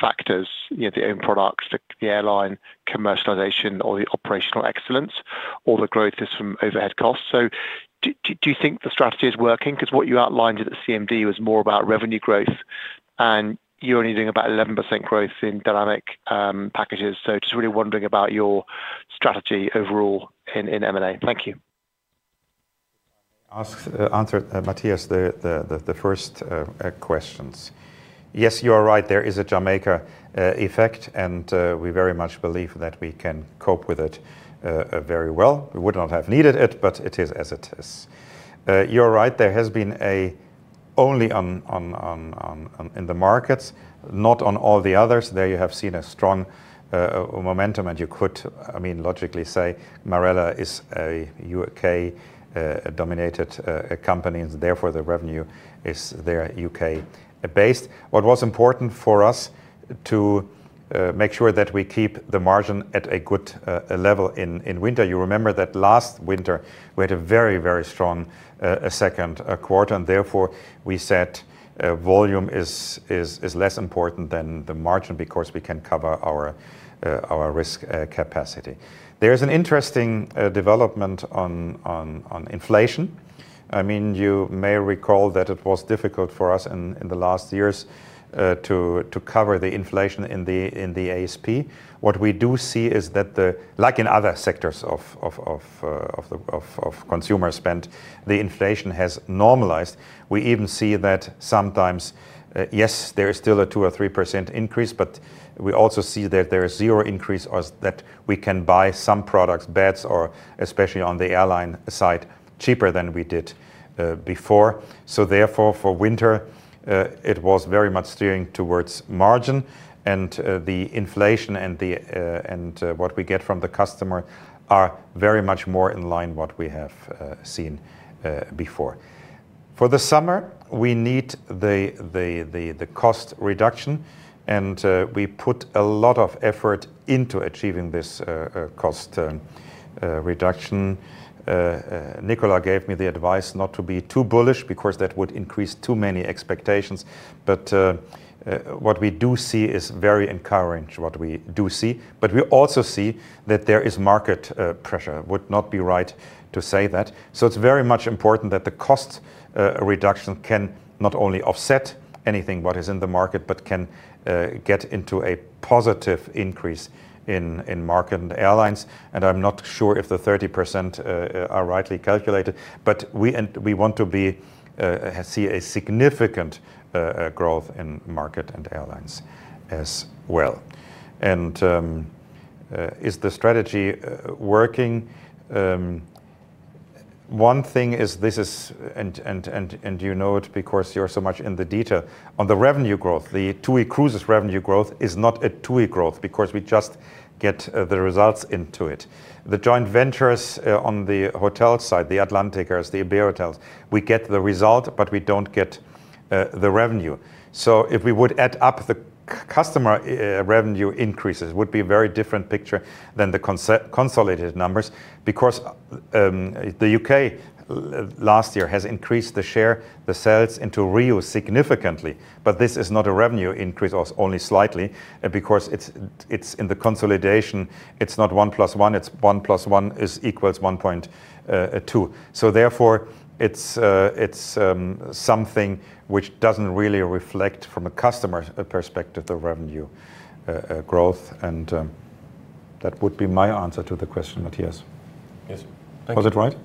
factors, the own product, the airline commercialization, or the operational excellence, or the growth is from overhead costs. So do you think the strategy is working? Because what you outlined at the CMD was more about revenue growth, and you're only doing about 11% growth in dynamic packages. So just really wondering about your strategy overall in M&A. Thank you.
As answered by Mathias, the first questions. Yes, you are right. There is a Jamaica effect, and we very much believe that we can cope with it very well. We would not have needed it, but it is as it is. You're right. There has been a only in the markets, not on all the others. There you have seen a strong momentum, and you could, I mean, logically say Marella is a U.K. dominated company, and therefore the revenue is there U.K. based. What was important for us to make sure that we keep the margin at a good level in winter. You remember that last winter we had a very, very strong second quarter, and therefore we said volume is less important than the margin because we can cover our risk capacity. There is an interesting development on inflation. I mean, you may recall that it was difficult for us in the last years to cover the inflation in the ASP. What we do see is that, like in other sectors of consumer spend, the inflation has normalized. We even see that sometimes, yes, there is still a 2% or 3% increase, but we also see that there is zero increase or that we can buy some products, beds, or especially on the airline side cheaper than we did before. So therefore, for winter, it was very much steering towards margin, and the inflation and what we get from the customer are very much more in line with what we have seen before. For the summer, we need the cost reduction, and we put a lot of effort into achieving this cost reduction. Nicola gave me the advice not to be too bullish because that would increase too many expectations. But what we do see is very encouraged, what we do see. But we also see that there is market pressure. It would not be right to say that. So it's very much important that the cost reduction can not only offset anything what is in the market, but can get into a positive increase in market and airlines. And I'm not sure if the 30% are rightly calculated, but we want to see a significant growth in market and airlines as well. And is the strategy working? One thing is, and you know it because you're so much in the detail on the revenue growth, the TUI Cruises revenue growth is not a TUI growth because we just get the results into it. The joint ventures on the hotel side, the Atlantica's, the RIU hotels, we get the result, but we don't get the revenue. So if we would add up the customer revenue increases, it would be a very different picture than the consolidated numbers because the U.K. last year has increased the share, the sales into RIU significantly. But this is not a revenue increase or only slightly because it's in the consolidation. It's not one plus one. It's one plus one equals 1.2. So therefore, it's something which doesn't really reflect from a customer perspective, the revenue growth. And that would be my answer to the question, Mathias. Yes. Was it right?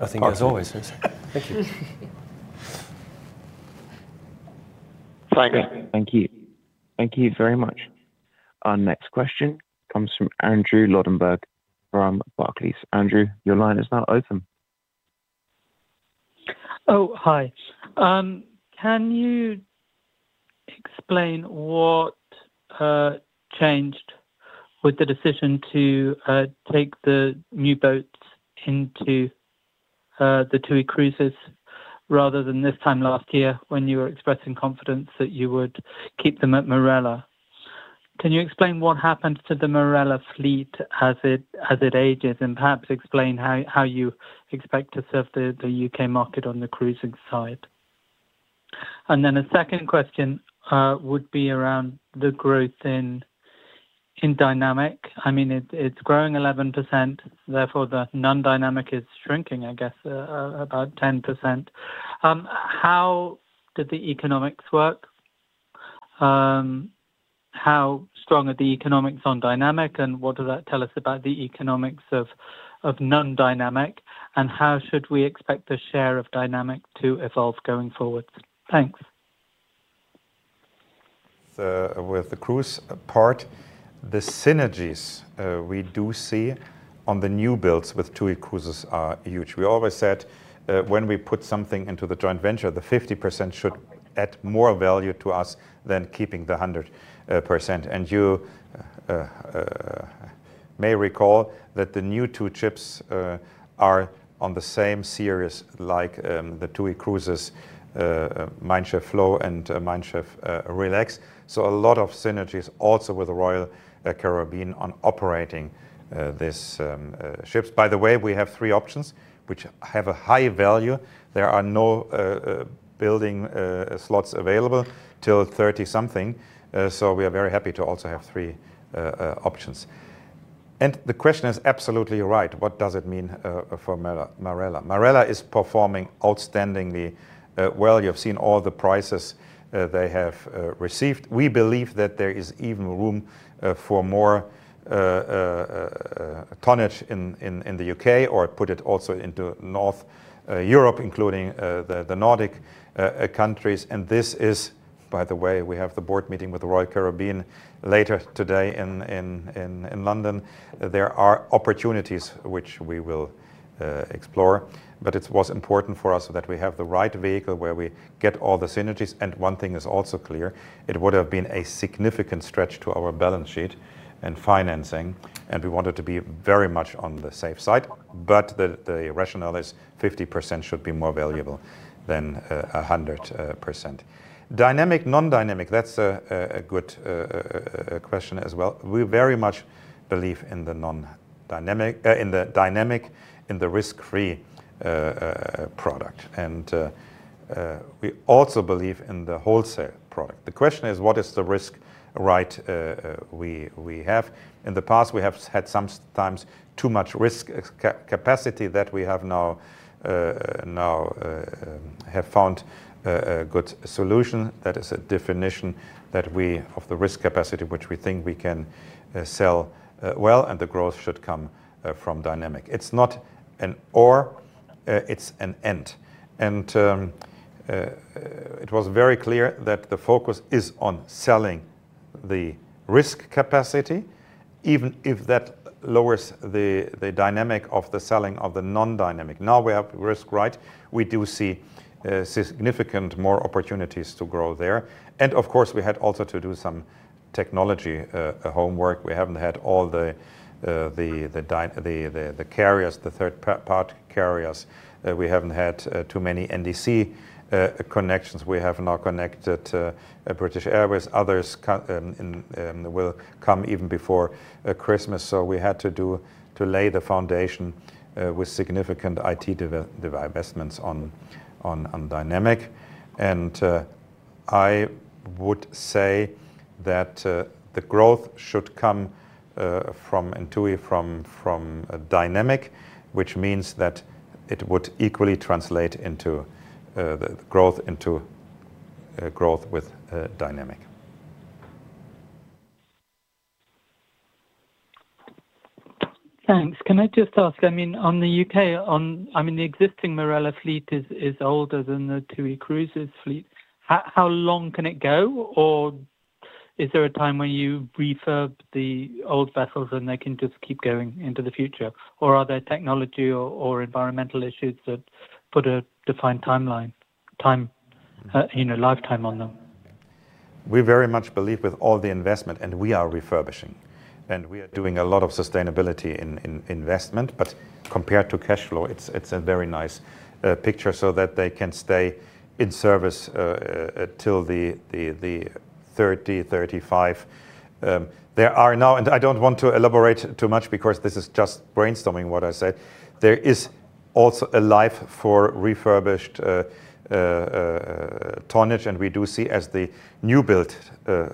I think as always is.
(audio distortion)
Thank you. Thank you very much. Our next question comes from Andrew Lobbenberg from Barclays. Andrew, your line is now open.
Oh, hi. Can you explain what changed with the decision to take the new boats into the TUI Cruises rather than this time last year when you were expressing confidence that you would keep them at Marella? Can you explain what happened to the Marella fleet as it ages and perhaps explain how you expect to serve the U.K. market on the cruising side? And then a second question would be around the growth in dynamic. I mean, it's growing 11%. Therefore, the non-dynamic is shrinking, I guess, about 10%. How did the economics work? How strong are the economics on dynamic, and what does that tell us about the economics of non-dynamic, and how should we expect the share of dynamic to evolve going forward? Thanks.
With the cruise part, the synergies we do see on the new builds with TUI Cruises are huge. We always said when we put something into the joint venture, the 50% should add more value to us than keeping the 100%. And you may recall that the new two ships are on the same series like the TUI Cruises, Mein Schiff Flow and Mein Schiff Relax. So a lot of synergies also with Royal Caribbean on operating these ships. By the way, we have three options which have a high value. There are no building slots available till 30 something. So we are very happy to also have three options. And the question is absolutely right. What does it mean for Marella? Marella is performing outstandingly well. You've seen all the prices they have received. We believe that there is even room for more tonnage in the U.K. or put it also into North Europe, including the Nordic countries. And this is, by the way, we have the board meeting with Royal Caribbean later today in London. There are opportunities which we will explore, but it was important for us that we have the right vehicle where we get all the synergies. And one thing is also clear. It would have been a significant stretch to our balance sheet and financing, and we wanted to be very much on the safe side. But the rationale is 50% should be more valuable than 100%. Dynamic, non-dynamic, that's a good question as well. We very much believe in the dynamic, in the risk-free product. And we also believe in the wholesale product. The question is, what is the risk right we have? In the past, we have had sometimes too much risk capacity that we now have found a good solution. That is a definition of the risk capacity which we think we can sell well, and the growth should come from dynamic. It's not an or, it's an and, and it was very clear that the focus is on selling the risk capacity, even if that lowers the dynamic of the selling of the non-dynamic. Now we have risk right. We do see significant more opportunities to grow there, and of course, we had also to do some technology homework. We haven't had all the carriers, the third-party carriers. We haven't had too many NDC connections. We have now connected British Airways. Others will come even before Christmas, so we had to lay the foundation with significant IT investments on dynamic, and I would say that the growth should come from TUI, from dynamic, which means that it would equally translate into growth with dynamic.
Thanks. Can I just ask? I mean, on the U.K., I mean, the existing Marella fleet is older than the TUI Cruises fleet. How long can it go? Or is there a time when you refurb the old vessels and they can just keep going into the future? Or are there technology or environmental issues that put a defined timeline, time, lifetime on them?
We very much believe with all the investment, and we are refurbishing, and we are doing a lot of sustainability in investment. But compared to cash flow, it's a very nice picture so that they can stay in service till the 2030, 2035. There are now, and I don't want to elaborate too much because this is just brainstorming what I said. There is also a life for refurbished tonnage, and we do see as the new build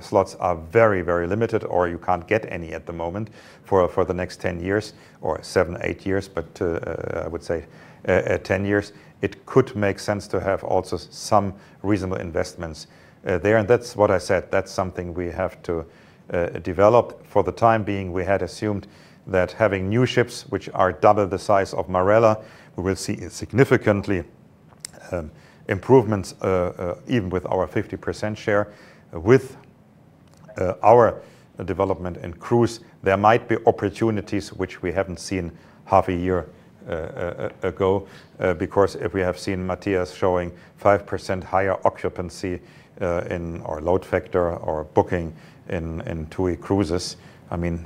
slots are very, very limited or you can't get any at the moment for the next 10 years or seven, eight years, but I would say 10 years. It could make sense to have also some reasonable investments there. And that's what I said. That's something we have to develop. For the time being, we had assumed that having new ships which are double the size of Marella, we will see significant improvements even with our 50% share. With our development in cruise, there might be opportunities which we haven't seen half a year ago because if we have seen Mathias showing 5% higher occupancy in our load factor or booking in TUI Cruises, I mean,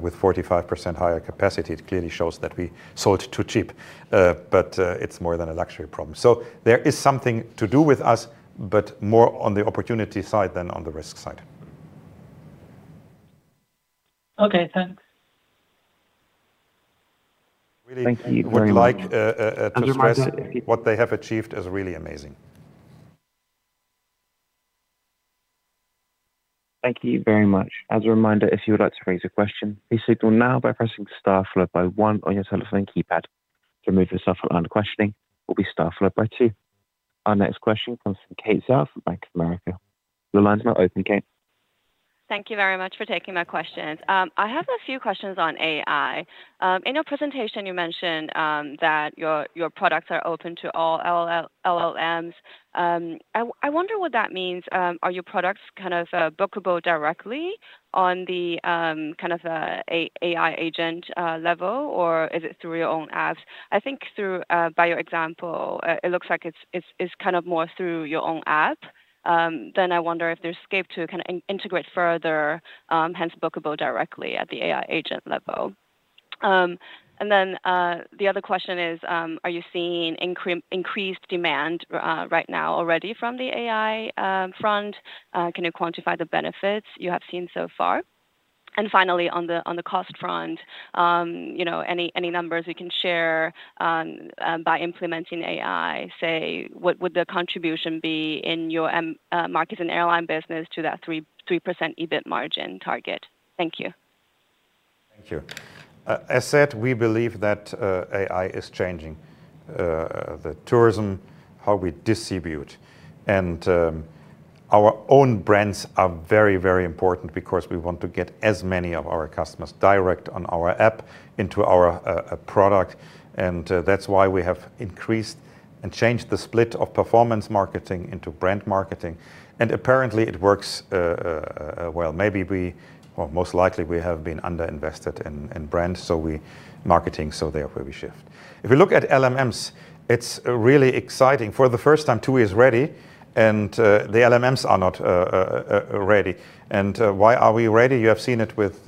with 45% higher capacity, it clearly shows that we sold too cheap, but it's more than a luxury problem. So there is something to do with us, but more on the opportunity side than on the risk side.
Okay. Thanks.
Thank you very much.
If you would like to stress what they have achieved is really amazing.
Thank you very much. As a reminder, if you would like to raise a question, please signal now by pressing star followed by one on your telephone keypad. To remove yourself from the question queue, it will be star followed by two. Our next question comes from Kate South from Bank of America. Your line is now open, Kate.
Thank you very much for taking my questions. I have a few questions on AI. In your presentation, you mentioned that your products are open to all LLMs. I wonder what that means. Are your products kind of bookable directly on the kind of AI agent level, or is it through your own apps? I think by your example, it looks like it's kind of more through your own app. Then I wonder if there's scope to kind of integrate further, hence bookable directly at the AI agent level. And then the other question is, are you seeing increased demand right now already from the AI front? Can you quantify the benefits you have seen so far? And finally, on the cost front, any numbers we can share by implementing AI, say, what would the contribution be in your markets and airline business to that 3% EBIT margin target? Thank you.
Thank you. As said, we believe that AI is changing the tourism, how we distribute. And our own brands are very, very important because we want to get as many of our customers direct on our app into our product. And that's why we have increased and changed the split of performance marketing into brand marketing. And apparently, it works well. Maybe we, or most likely, we have been underinvested in brand. So we marketing, so therefore we shift. If we look at LLMs, it's really exciting. For the first time, TUI is ready, and the LLMs are not ready. And why are we ready? You have seen it with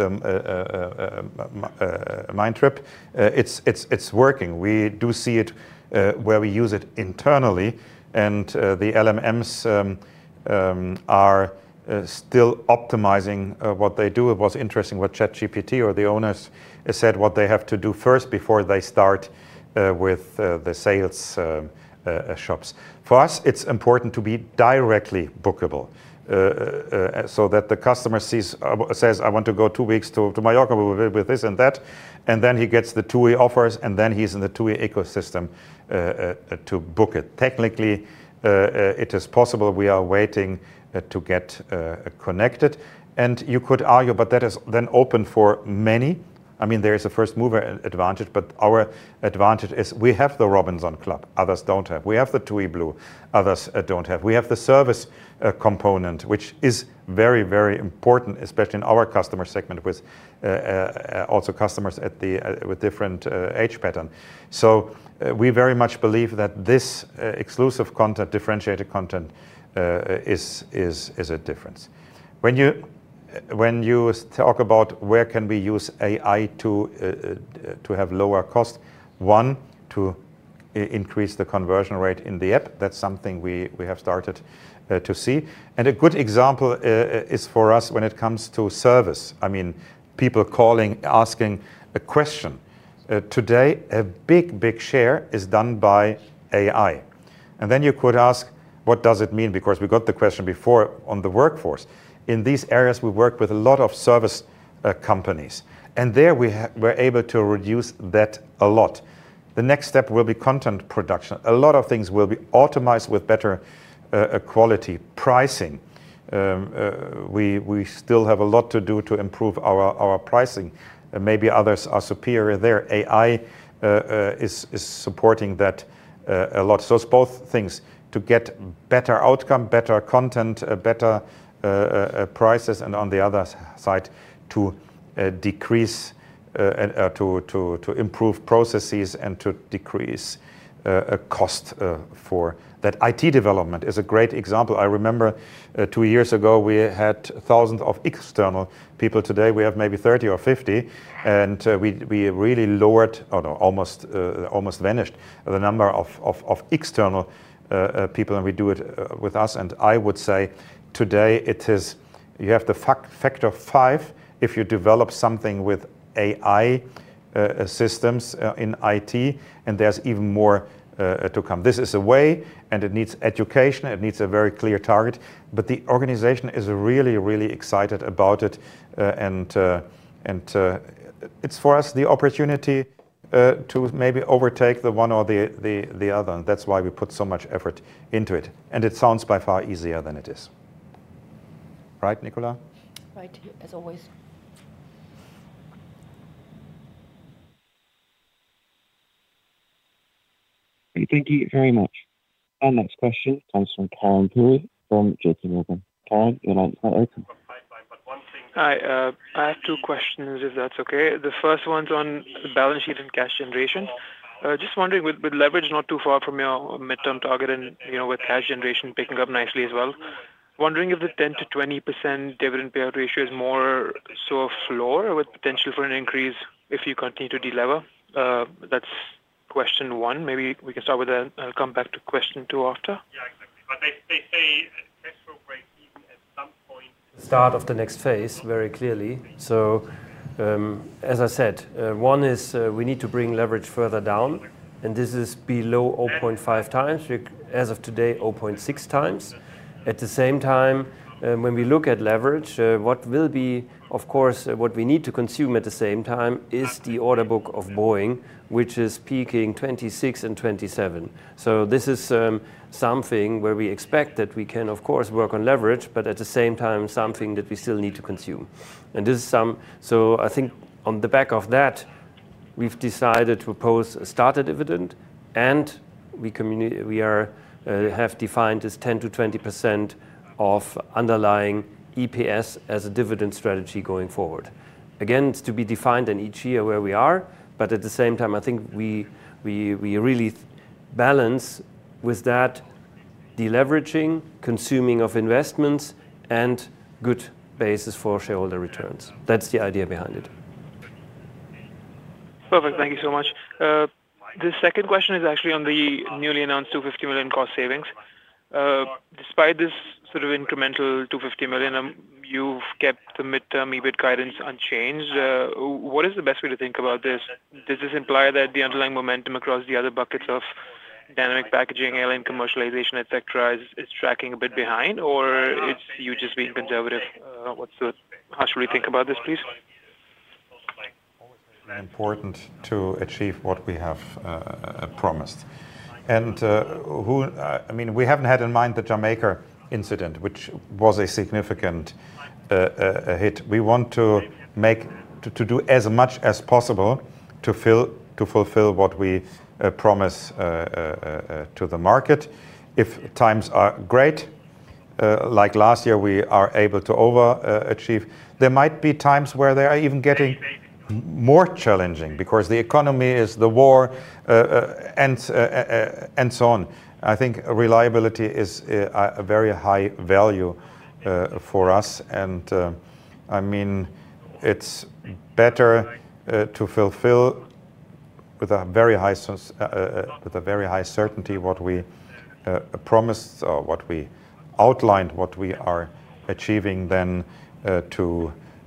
Mindtrip. It's working. We do see it where we use it internally, and the LLMs are still optimizing what they do. It was interesting what ChatGPT or the owners said what they have to do first before they start with the sales shops. For us, it's important to be directly bookable so that the customer says, "I want to go two weeks to Mallorca with this and that," and then he gets the TUI offers, and then he's in the TUI ecosystem to book it. Technically, it is possible. We are waiting to get connected, and you could argue, but that is then open for many. I mean, there is a first mover advantage, but our advantage is we have the Robinson Club. Others don't have. We have the TUI Blue. Others don't have. We have the service component, which is very, very important, especially in our customer segment with also customers with different age patterns. So we very much believe that this exclusive content, differentiated content is a difference. When you talk about where can we use AI to have lower cost, one, to increase the conversion rate in the app, that's something we have started to see. And a good example is for us when it comes to service. I mean, people calling, asking a question. Today, a big, big share is done by AI. And then you could ask, what does it mean? Because we got the question before on the workforce. In these areas, we work with a lot of service companies. And there we were able to reduce that a lot. The next step will be content production. A lot of things will be optimized with better quality pricing. We still have a lot to do to improve our pricing. Maybe others are superior there. AI is supporting that a lot. So it's both things to get better outcome, better content, better prices, and on the other side, to decrease or to improve processes and to decrease cost for that. IT development is a great example. I remember two years ago, we had thousands of external people. Today, we have maybe 30 or 50. And we really lowered, almost vanished, the number of external people. And we do it with us. And I would say today it is you have the factor of five if you develop something with AI systems in IT, and there's even more to come. This is a way, and it needs education. It needs a very clear target. But the organization is really, really excited about it. And it's for us the opportunity to maybe overtake the one or the other. And that's why we put so much effort into it. And it sounds by far easier than it is. Right, Nicola?
Right, as always.
Thank you very much. Our next question comes from Karen Perry from JP Morgan. Karen, your line is now open.
Hi, I have two questions, if that's okay. The first one's on balance sheet and cash generation. Just wondering, with leverage not too far from your midterm target and with cash generation picking up nicely as well, wondering if the 10%-20% dividend payout ratio is more so a floor with potential for an increase if you continue to deliver. That's question one. Maybe we can start with that and come back to question two after.
Yeah, exactly. But they say cash flow break even at some point.
The start of the next phase very clearly, so as I said, one is we need to bring leverage further down, and this is below 0.5 times. As of today, 0.6 times. At the same time, when we look at leverage, what will be, of course, what we need to consume at the same time is the order book of Boeing, which is peaking 2026 and 2027, so this is something where we expect that we can, of course, work on leverage, but at the same time, something that we still need to consume. And this is something, so I think on the back of that, we've decided to restarted dividend, and we have defined this 10%-20% of underlying EPS as a dividend strategy going forward. Again, it's to be defined in each year where we are, but at the same time, I think we really balance with that deleveraging, consuming of investments, and good basis for shareholder returns. That's the idea behind it.
Perfect. Thank you so much. The second question is actually on the newly announced 250 million cost savings. Despite this sort of incremental 250 million, you've kept the midterm EBIT guidance unchanged. What is the best way to think about this? Does this imply that the underlying momentum across the other buckets of dynamic packaging, airline commercialization, etc., is tracking a bit behind, or are you just being conservative? How should we think about this, please?
It's important to achieve what we have promised, and I mean, we haven't had in mind the Jamaica incident, which was a significant hit. We want to do as much as possible to fulfill what we promised to the market. If times are great, like last year, we are able to overachieve. There might be times where they are even getting more challenging because the economy, the war and so on. I think reliability is a very high value for us. And I mean, it's better to fulfill with a very high certainty what we promised or what we outlined, what we are achieving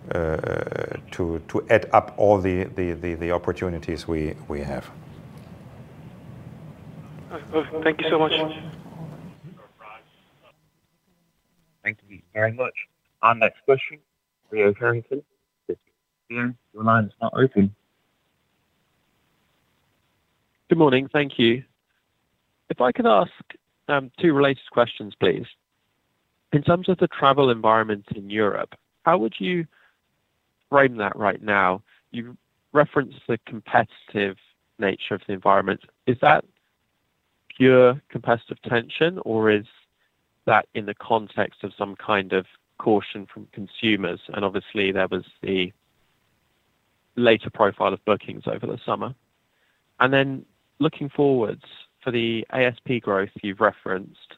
than to add up all the opportunities we have.
Thank you so much.
Thank you very much. Our next question, Leo Carrington. Your line is now open.
Good morning. Thank you. If I could ask two related questions, please. In terms of the travel environment in Europe, how would you frame that right now? You referenced the competitive nature of the environment.
Is that pure competitive tension, or is that in the context of some kind of caution from consumers? And obviously, there was the latter profile of bookings over the summer. And then looking forward for the ASP growth you've referenced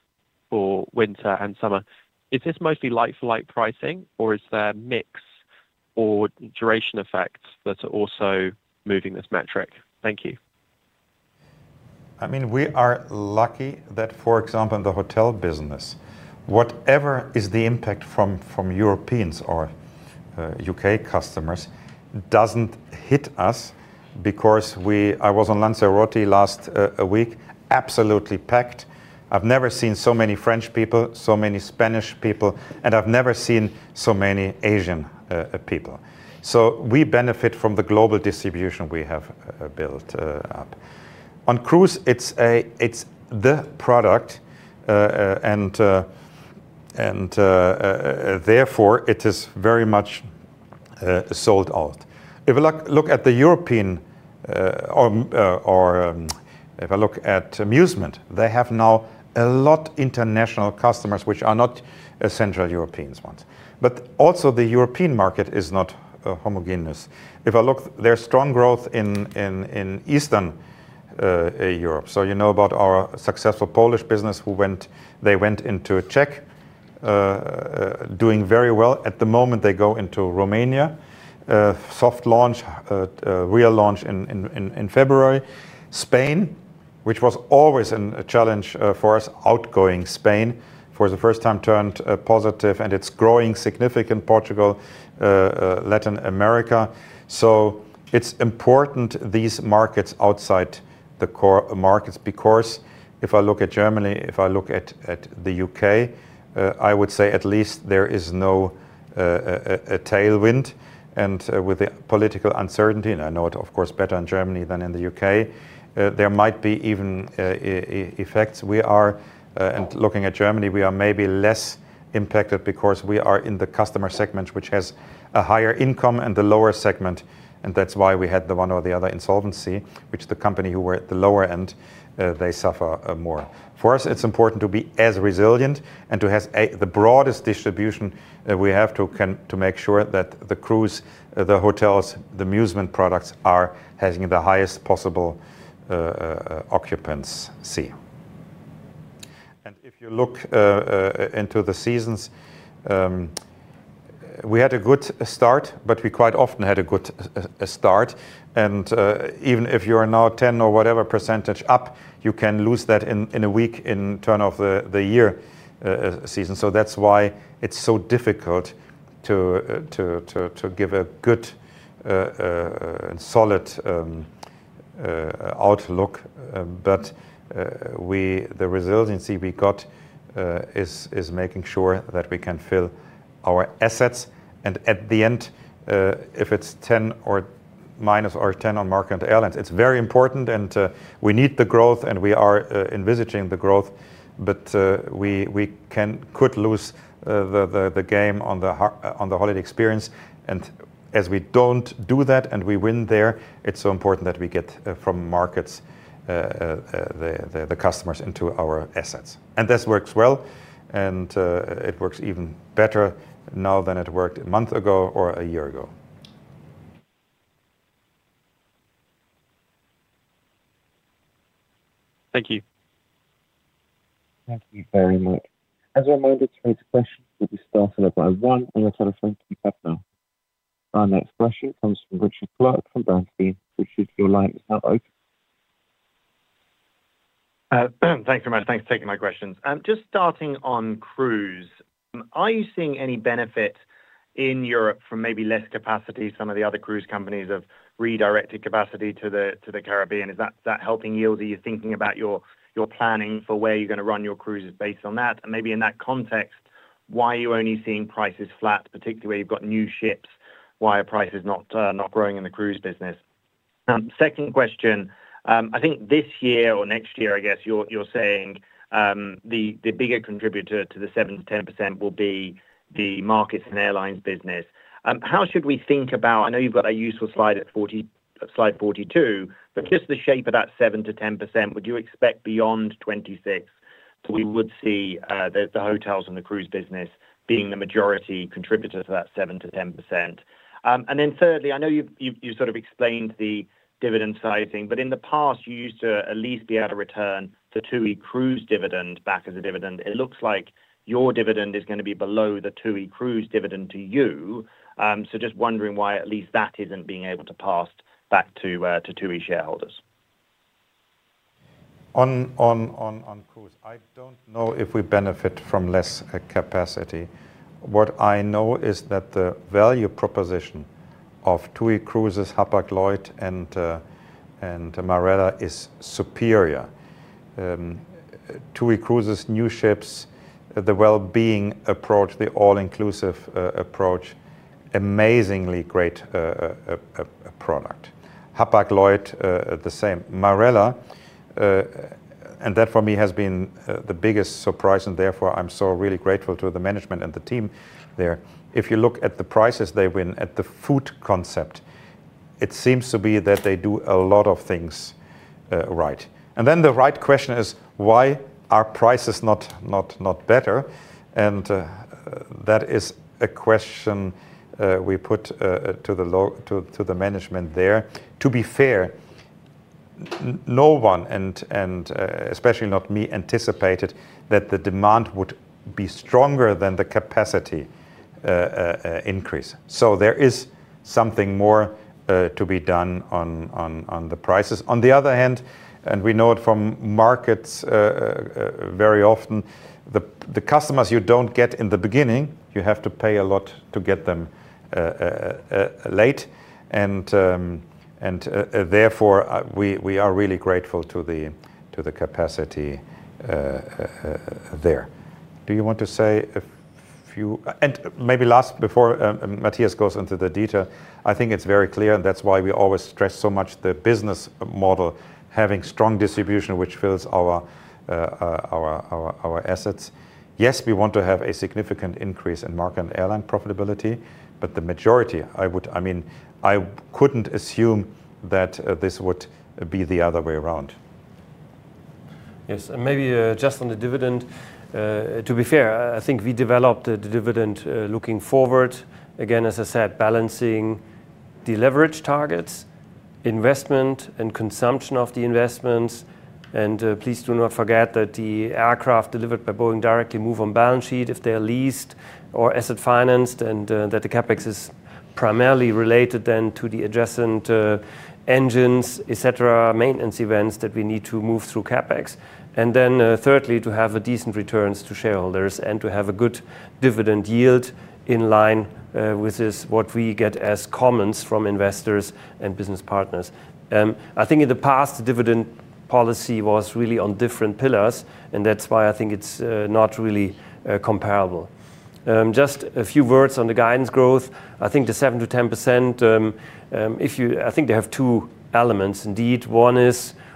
for winter and summer, is this mostly like-for-like pricing, or is there a mix or duration effect that's also moving this metric? Thank you. I mean, we are lucky that, for example, in the hotel business, whatever is the impact from Europeans or U.K. customers doesn't hit us because I was on Lanzarote last week, absolutely packed. I've never seen so many French people, so many Spanish people, and I've never seen so many Asian people. So we benefit from the global distribution we have built up. On cruise, it's the product, and therefore, it is very much sold out. If I look at Europe, or if I look at Musement, they have now a lot of international customers, which are not essentially European ones. But also, the European market is not homogeneous. If I look, there's strong growth in Eastern Europe. So you know about our successful Polish business who went into Czech doing very well. At the moment, they go into Romania, soft launch, real launch in February. Spain, which was always a challenge for us, outgoing Spain, for the first time turned positive, and it's growing significantly in Portugal, Latin America. So it's important these markets outside the core markets because if I look at Germany, if I look at the U.K., I would say at least there is no tailwind. And with the political uncertainty, and I know it, of course, better in Germany than in the U.K., there might be even effects. And looking at Germany, we are maybe less impacted because we are in the customer segment, which has a higher income and the lower segment. And that's why we had the one or the other insolvency, which the company who were at the lower end, they suffer more. For us, it's important to be as resilient and to have the broadest distribution we have to make sure that the cruise, the hotels, the Musement products are having the highest possible occupancy. And if you look into the seasons, we had a good start, but we quite often had a good start. And even if you are now 10 or whatever percentage up, you can lose that in a week in turn of the year season. So that's why it's so difficult to give a good and solid outlook. But the resiliency we got is making sure that we can fill our assets. And at the end, if it's 10 or minus or 10 on market and airlines, it's very important. And we need the growth, and we are envisaging the growth. But we could lose the game on the holiday experience. And as we don't do that and we win there, it's so important that we get from markets the customers into our assets. And this works well. And it works even better now than it worked a month ago or a year ago.
Thank you.
Thank you very much. As a reminder, today's question will be started by one on the telephone pickup now. Our next question comes from Richard Clarke from Bernstein. Richard, your line is now open.
Thanks very much. Thanks for taking my questions. Just starting on cruise, are you seeing any benefit in Europe from maybe less capacity? Some of the other cruise companies have redirected capacity to the Caribbean. Is that helping yield? Are you thinking about your planning for where you're going to run your Cruises based on that? And maybe in that context, why are you only seeing prices flat, particularly where you've got new ships? Why are prices not growing in the cruise business? Second question, I think this year or next year, I guess you're saying the bigger contributor to the 7%-10% will be the Markets & Airlines business. How should we think about, I know you've got a useful slide at slide 42, but just the shape of that 7%-10%, would you expect beyond 2026. We would see the hotels and the cruise business being the majority contributor to that 7%-10%. And then thirdly, I know you've sort of explained the dividend sizing, but in the past, you used to at least be able to return the TUI Cruises dividend back as a dividend. It looks like your dividend is going to be below the TUI Cruises dividend to you. So just wondering why at least that isn't being able to pass back to TUI shareholders.
On cruise, I don't know if we benefit from less capacity. What I know is that the value proposition of TUI Cruises, Hapag-Lloyd and Marella, is superior. TUI Cruises, new ships, the well-being approach, the all-inclusive approach, amazingly great product. Hapag-Lloyd, the same, Marella, and that for me has been the biggest surprise, and therefore I'm so really grateful to the management and the team there. If you look at the prices they win at the food concept, it seems to be that they do a lot of things right. And then the right question is, why are prices not better? And that is a question we put to the management there. To be fair, no one, and especially not me, anticipated that the demand would be stronger than the capacity increase. So there is something more to be done on the prices. On the other hand, and we know it from markets very often, the customers you don't get in the beginning, you have to pay a lot to get them late. And therefore, we are really grateful to the capacity there. Do you want to say a few? And maybe last, before Mathias goes into the detail, I think it's very clear, and that's why we always stress so much the business model, having strong distribution, which fills our assets. Yes, we want to have a significant increase in market and airline profitability, but the majority, I mean, I couldn't assume that this would be the other way around.
Yes. And maybe just on the dividend, to be fair, I think we developed the dividend looking forward. Again, as I said, balancing the leverage targets, investment, and consumption of the investments. And please do not forget that the aircraft delivered by Boeing directly move on balance sheet if they are leased or asset financed, and that the CapEx is primarily related then to the adjacent engines, etc., maintenance events that we need to move through CapEx. And then thirdly, to have decent returns to shareholders and to have a good dividend yield in line with what we get as comments from investors and business partners. I think in the past, the dividend policy was really on different pillars, and that's why I think it's not really comparable. Just a few words on the guidance growth. I think the 7%-10%, I think they have two elements indeed. One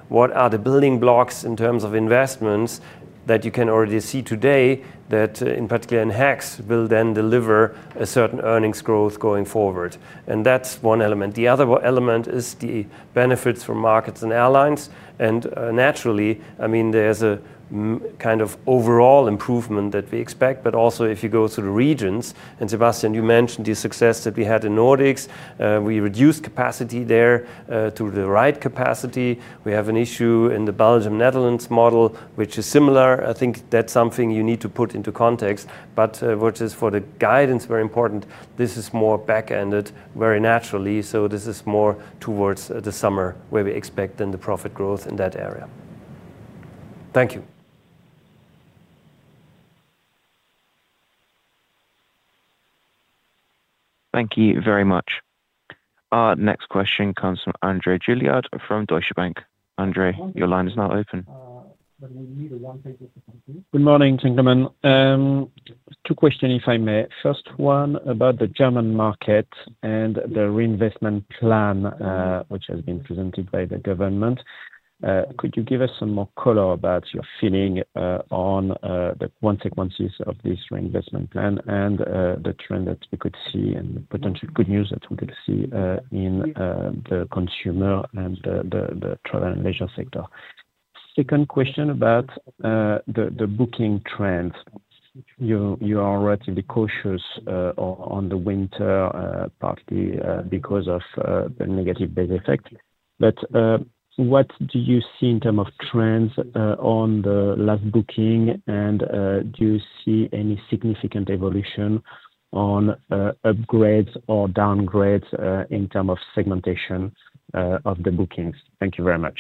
is, what are the building blocks in terms of investments that you can already see today that, in particular, in HEX will then deliver a certain earnings growth going forward. And that's one element. The other element is the benefits for Markets & Airlines. And naturally, I mean, there's a kind of overall improvement that we expect, but also if you go through the regions. And Sebastian, you mentioned the success that we had in Nordics. We reduced capacity there to the right capacity. We have an issue in the Belgium-Netherlands model, which is similar. I think that's something you need to put into context. But which is for the guidance very important, this is more back-ended very naturally. So this is more towards the summer where we expect then the profit growth in that area.
Thank you.
Thank you very much. Our next question comes from Andre Juillard from Deutsche Bank. Andre, your line is now open.
Good morning, gentlemen. Two questions, if I may. First one about the German market and the reinvestment plan, which has been presented by the government. Could you give us some more color about your feeling on the consequences of this reinvestment plan and the trend that we could see and the potential good news that we could see in the consumer and the travel and leisure sector? Second question about the booking trends. You are relatively cautious on the winter partly because of the negative base effect, but what do you see in terms of trends on the last booking, and do you see any significant evolution on upgrades or downgrades in terms of segmentation of the bookings? Thank you very much.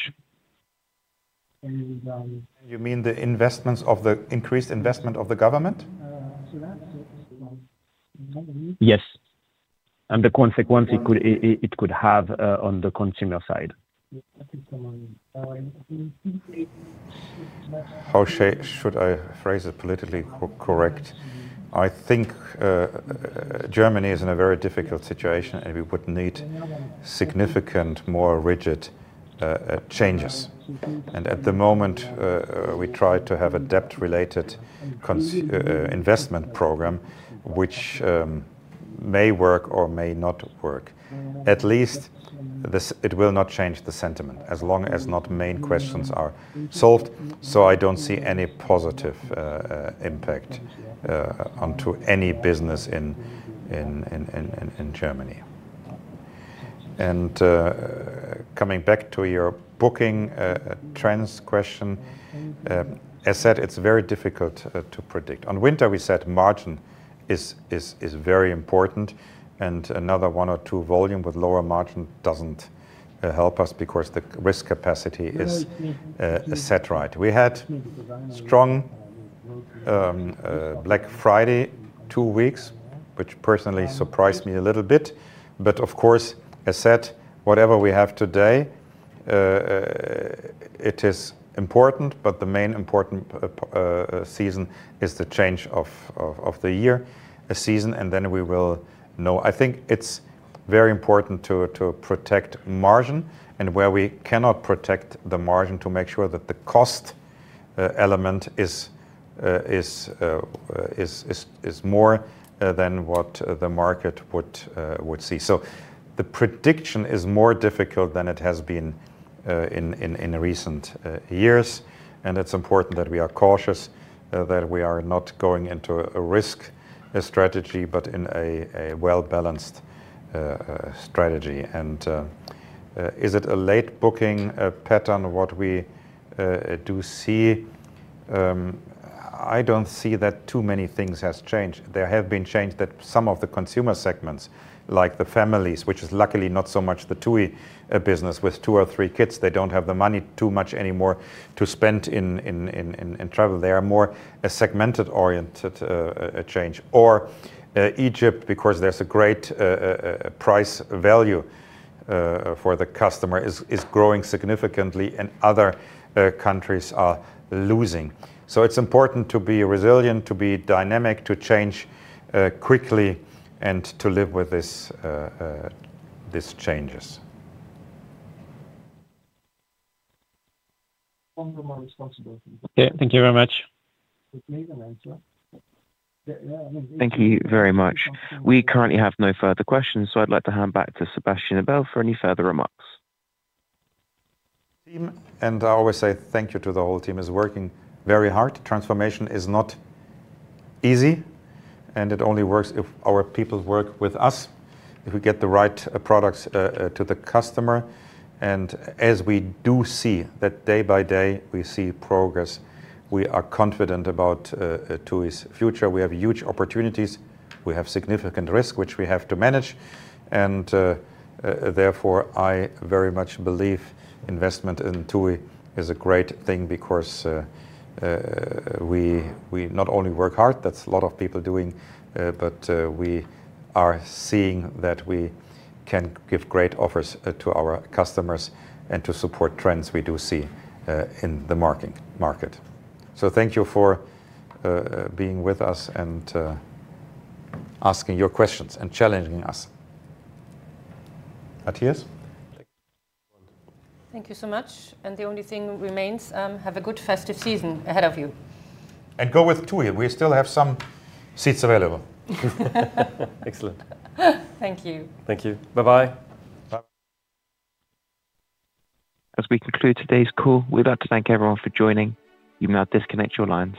You mean the increased investment of the government?
Yes, and the consequence it could have on the consumer side.
How should I phrase it politically correct? I think Germany is in a very difficult situation, and we would need significant, more rigid changes, and at the moment, we try to have a debt-related investment program, which may work or may not work. At least it will not change the sentiment as long as not main questions are solved, so I don't see any positive impact onto any business in Germany. Coming back to your booking trends question, as I said, it's very difficult to predict. On winter, we said margin is very important. Another one or two volume with lower margin doesn't help us because the risk capacity is set right. We had strong Black Friday two weeks, which personally surprised me a little bit. Of course, as I said, whatever we have today, it is important, but the main important season is the change of the year season, and then we will know. I think it's very important to protect margin. Where we cannot protect the margin, make sure that the cost element is more than what the market would see. The prediction is more difficult than it has been in recent years. And it's important that we are cautious, that we are not going into a risk strategy, but in a well-balanced strategy. And is it a late booking pattern what we do see? I don't see that too many things have changed. There have been changes that some of the consumer segments, like the families, which is luckily not so much the two-week business with two or three kids, they don't have the money too much anymore to spend in travel. They are more a segmented-oriented change. Or Egypt, because there's a great price value for the customer, is growing significantly, and other countries are losing. So it's important to be resilient, to be dynamic, to change quickly, and to live with these changes.
Thank you very much.
Thank you very much. We currently have no further questions, so I'd like to hand back to Sebastian Ebel for any further remarks.
And I always say thank you to the whole team who is working very hard. Transformation is not easy, and it only works if our people work with us, if we get the right products to the customer. And as we do see that day by day, we see progress. We are confident about TUI's future. We have huge opportunities. We have significant risk, which we have to manage. And therefore, I very much believe investment in TUI is a great thing because we not only work hard, that's a lot of people doing, but we are seeing that we can give great offers to our customers and to support trends we do see in the market. So thank you for being with us and asking your questions and challenging us. Mathias?
Thank you so much. And the only thing remains have a good festive season ahead of you.
And go with two weeks. We still have some seats available. Excellent.
Thank you.
Thank you. Bye-bye.
As we conclude today's call, we'd like to thank everyone for joining. You may now disconnect your lines.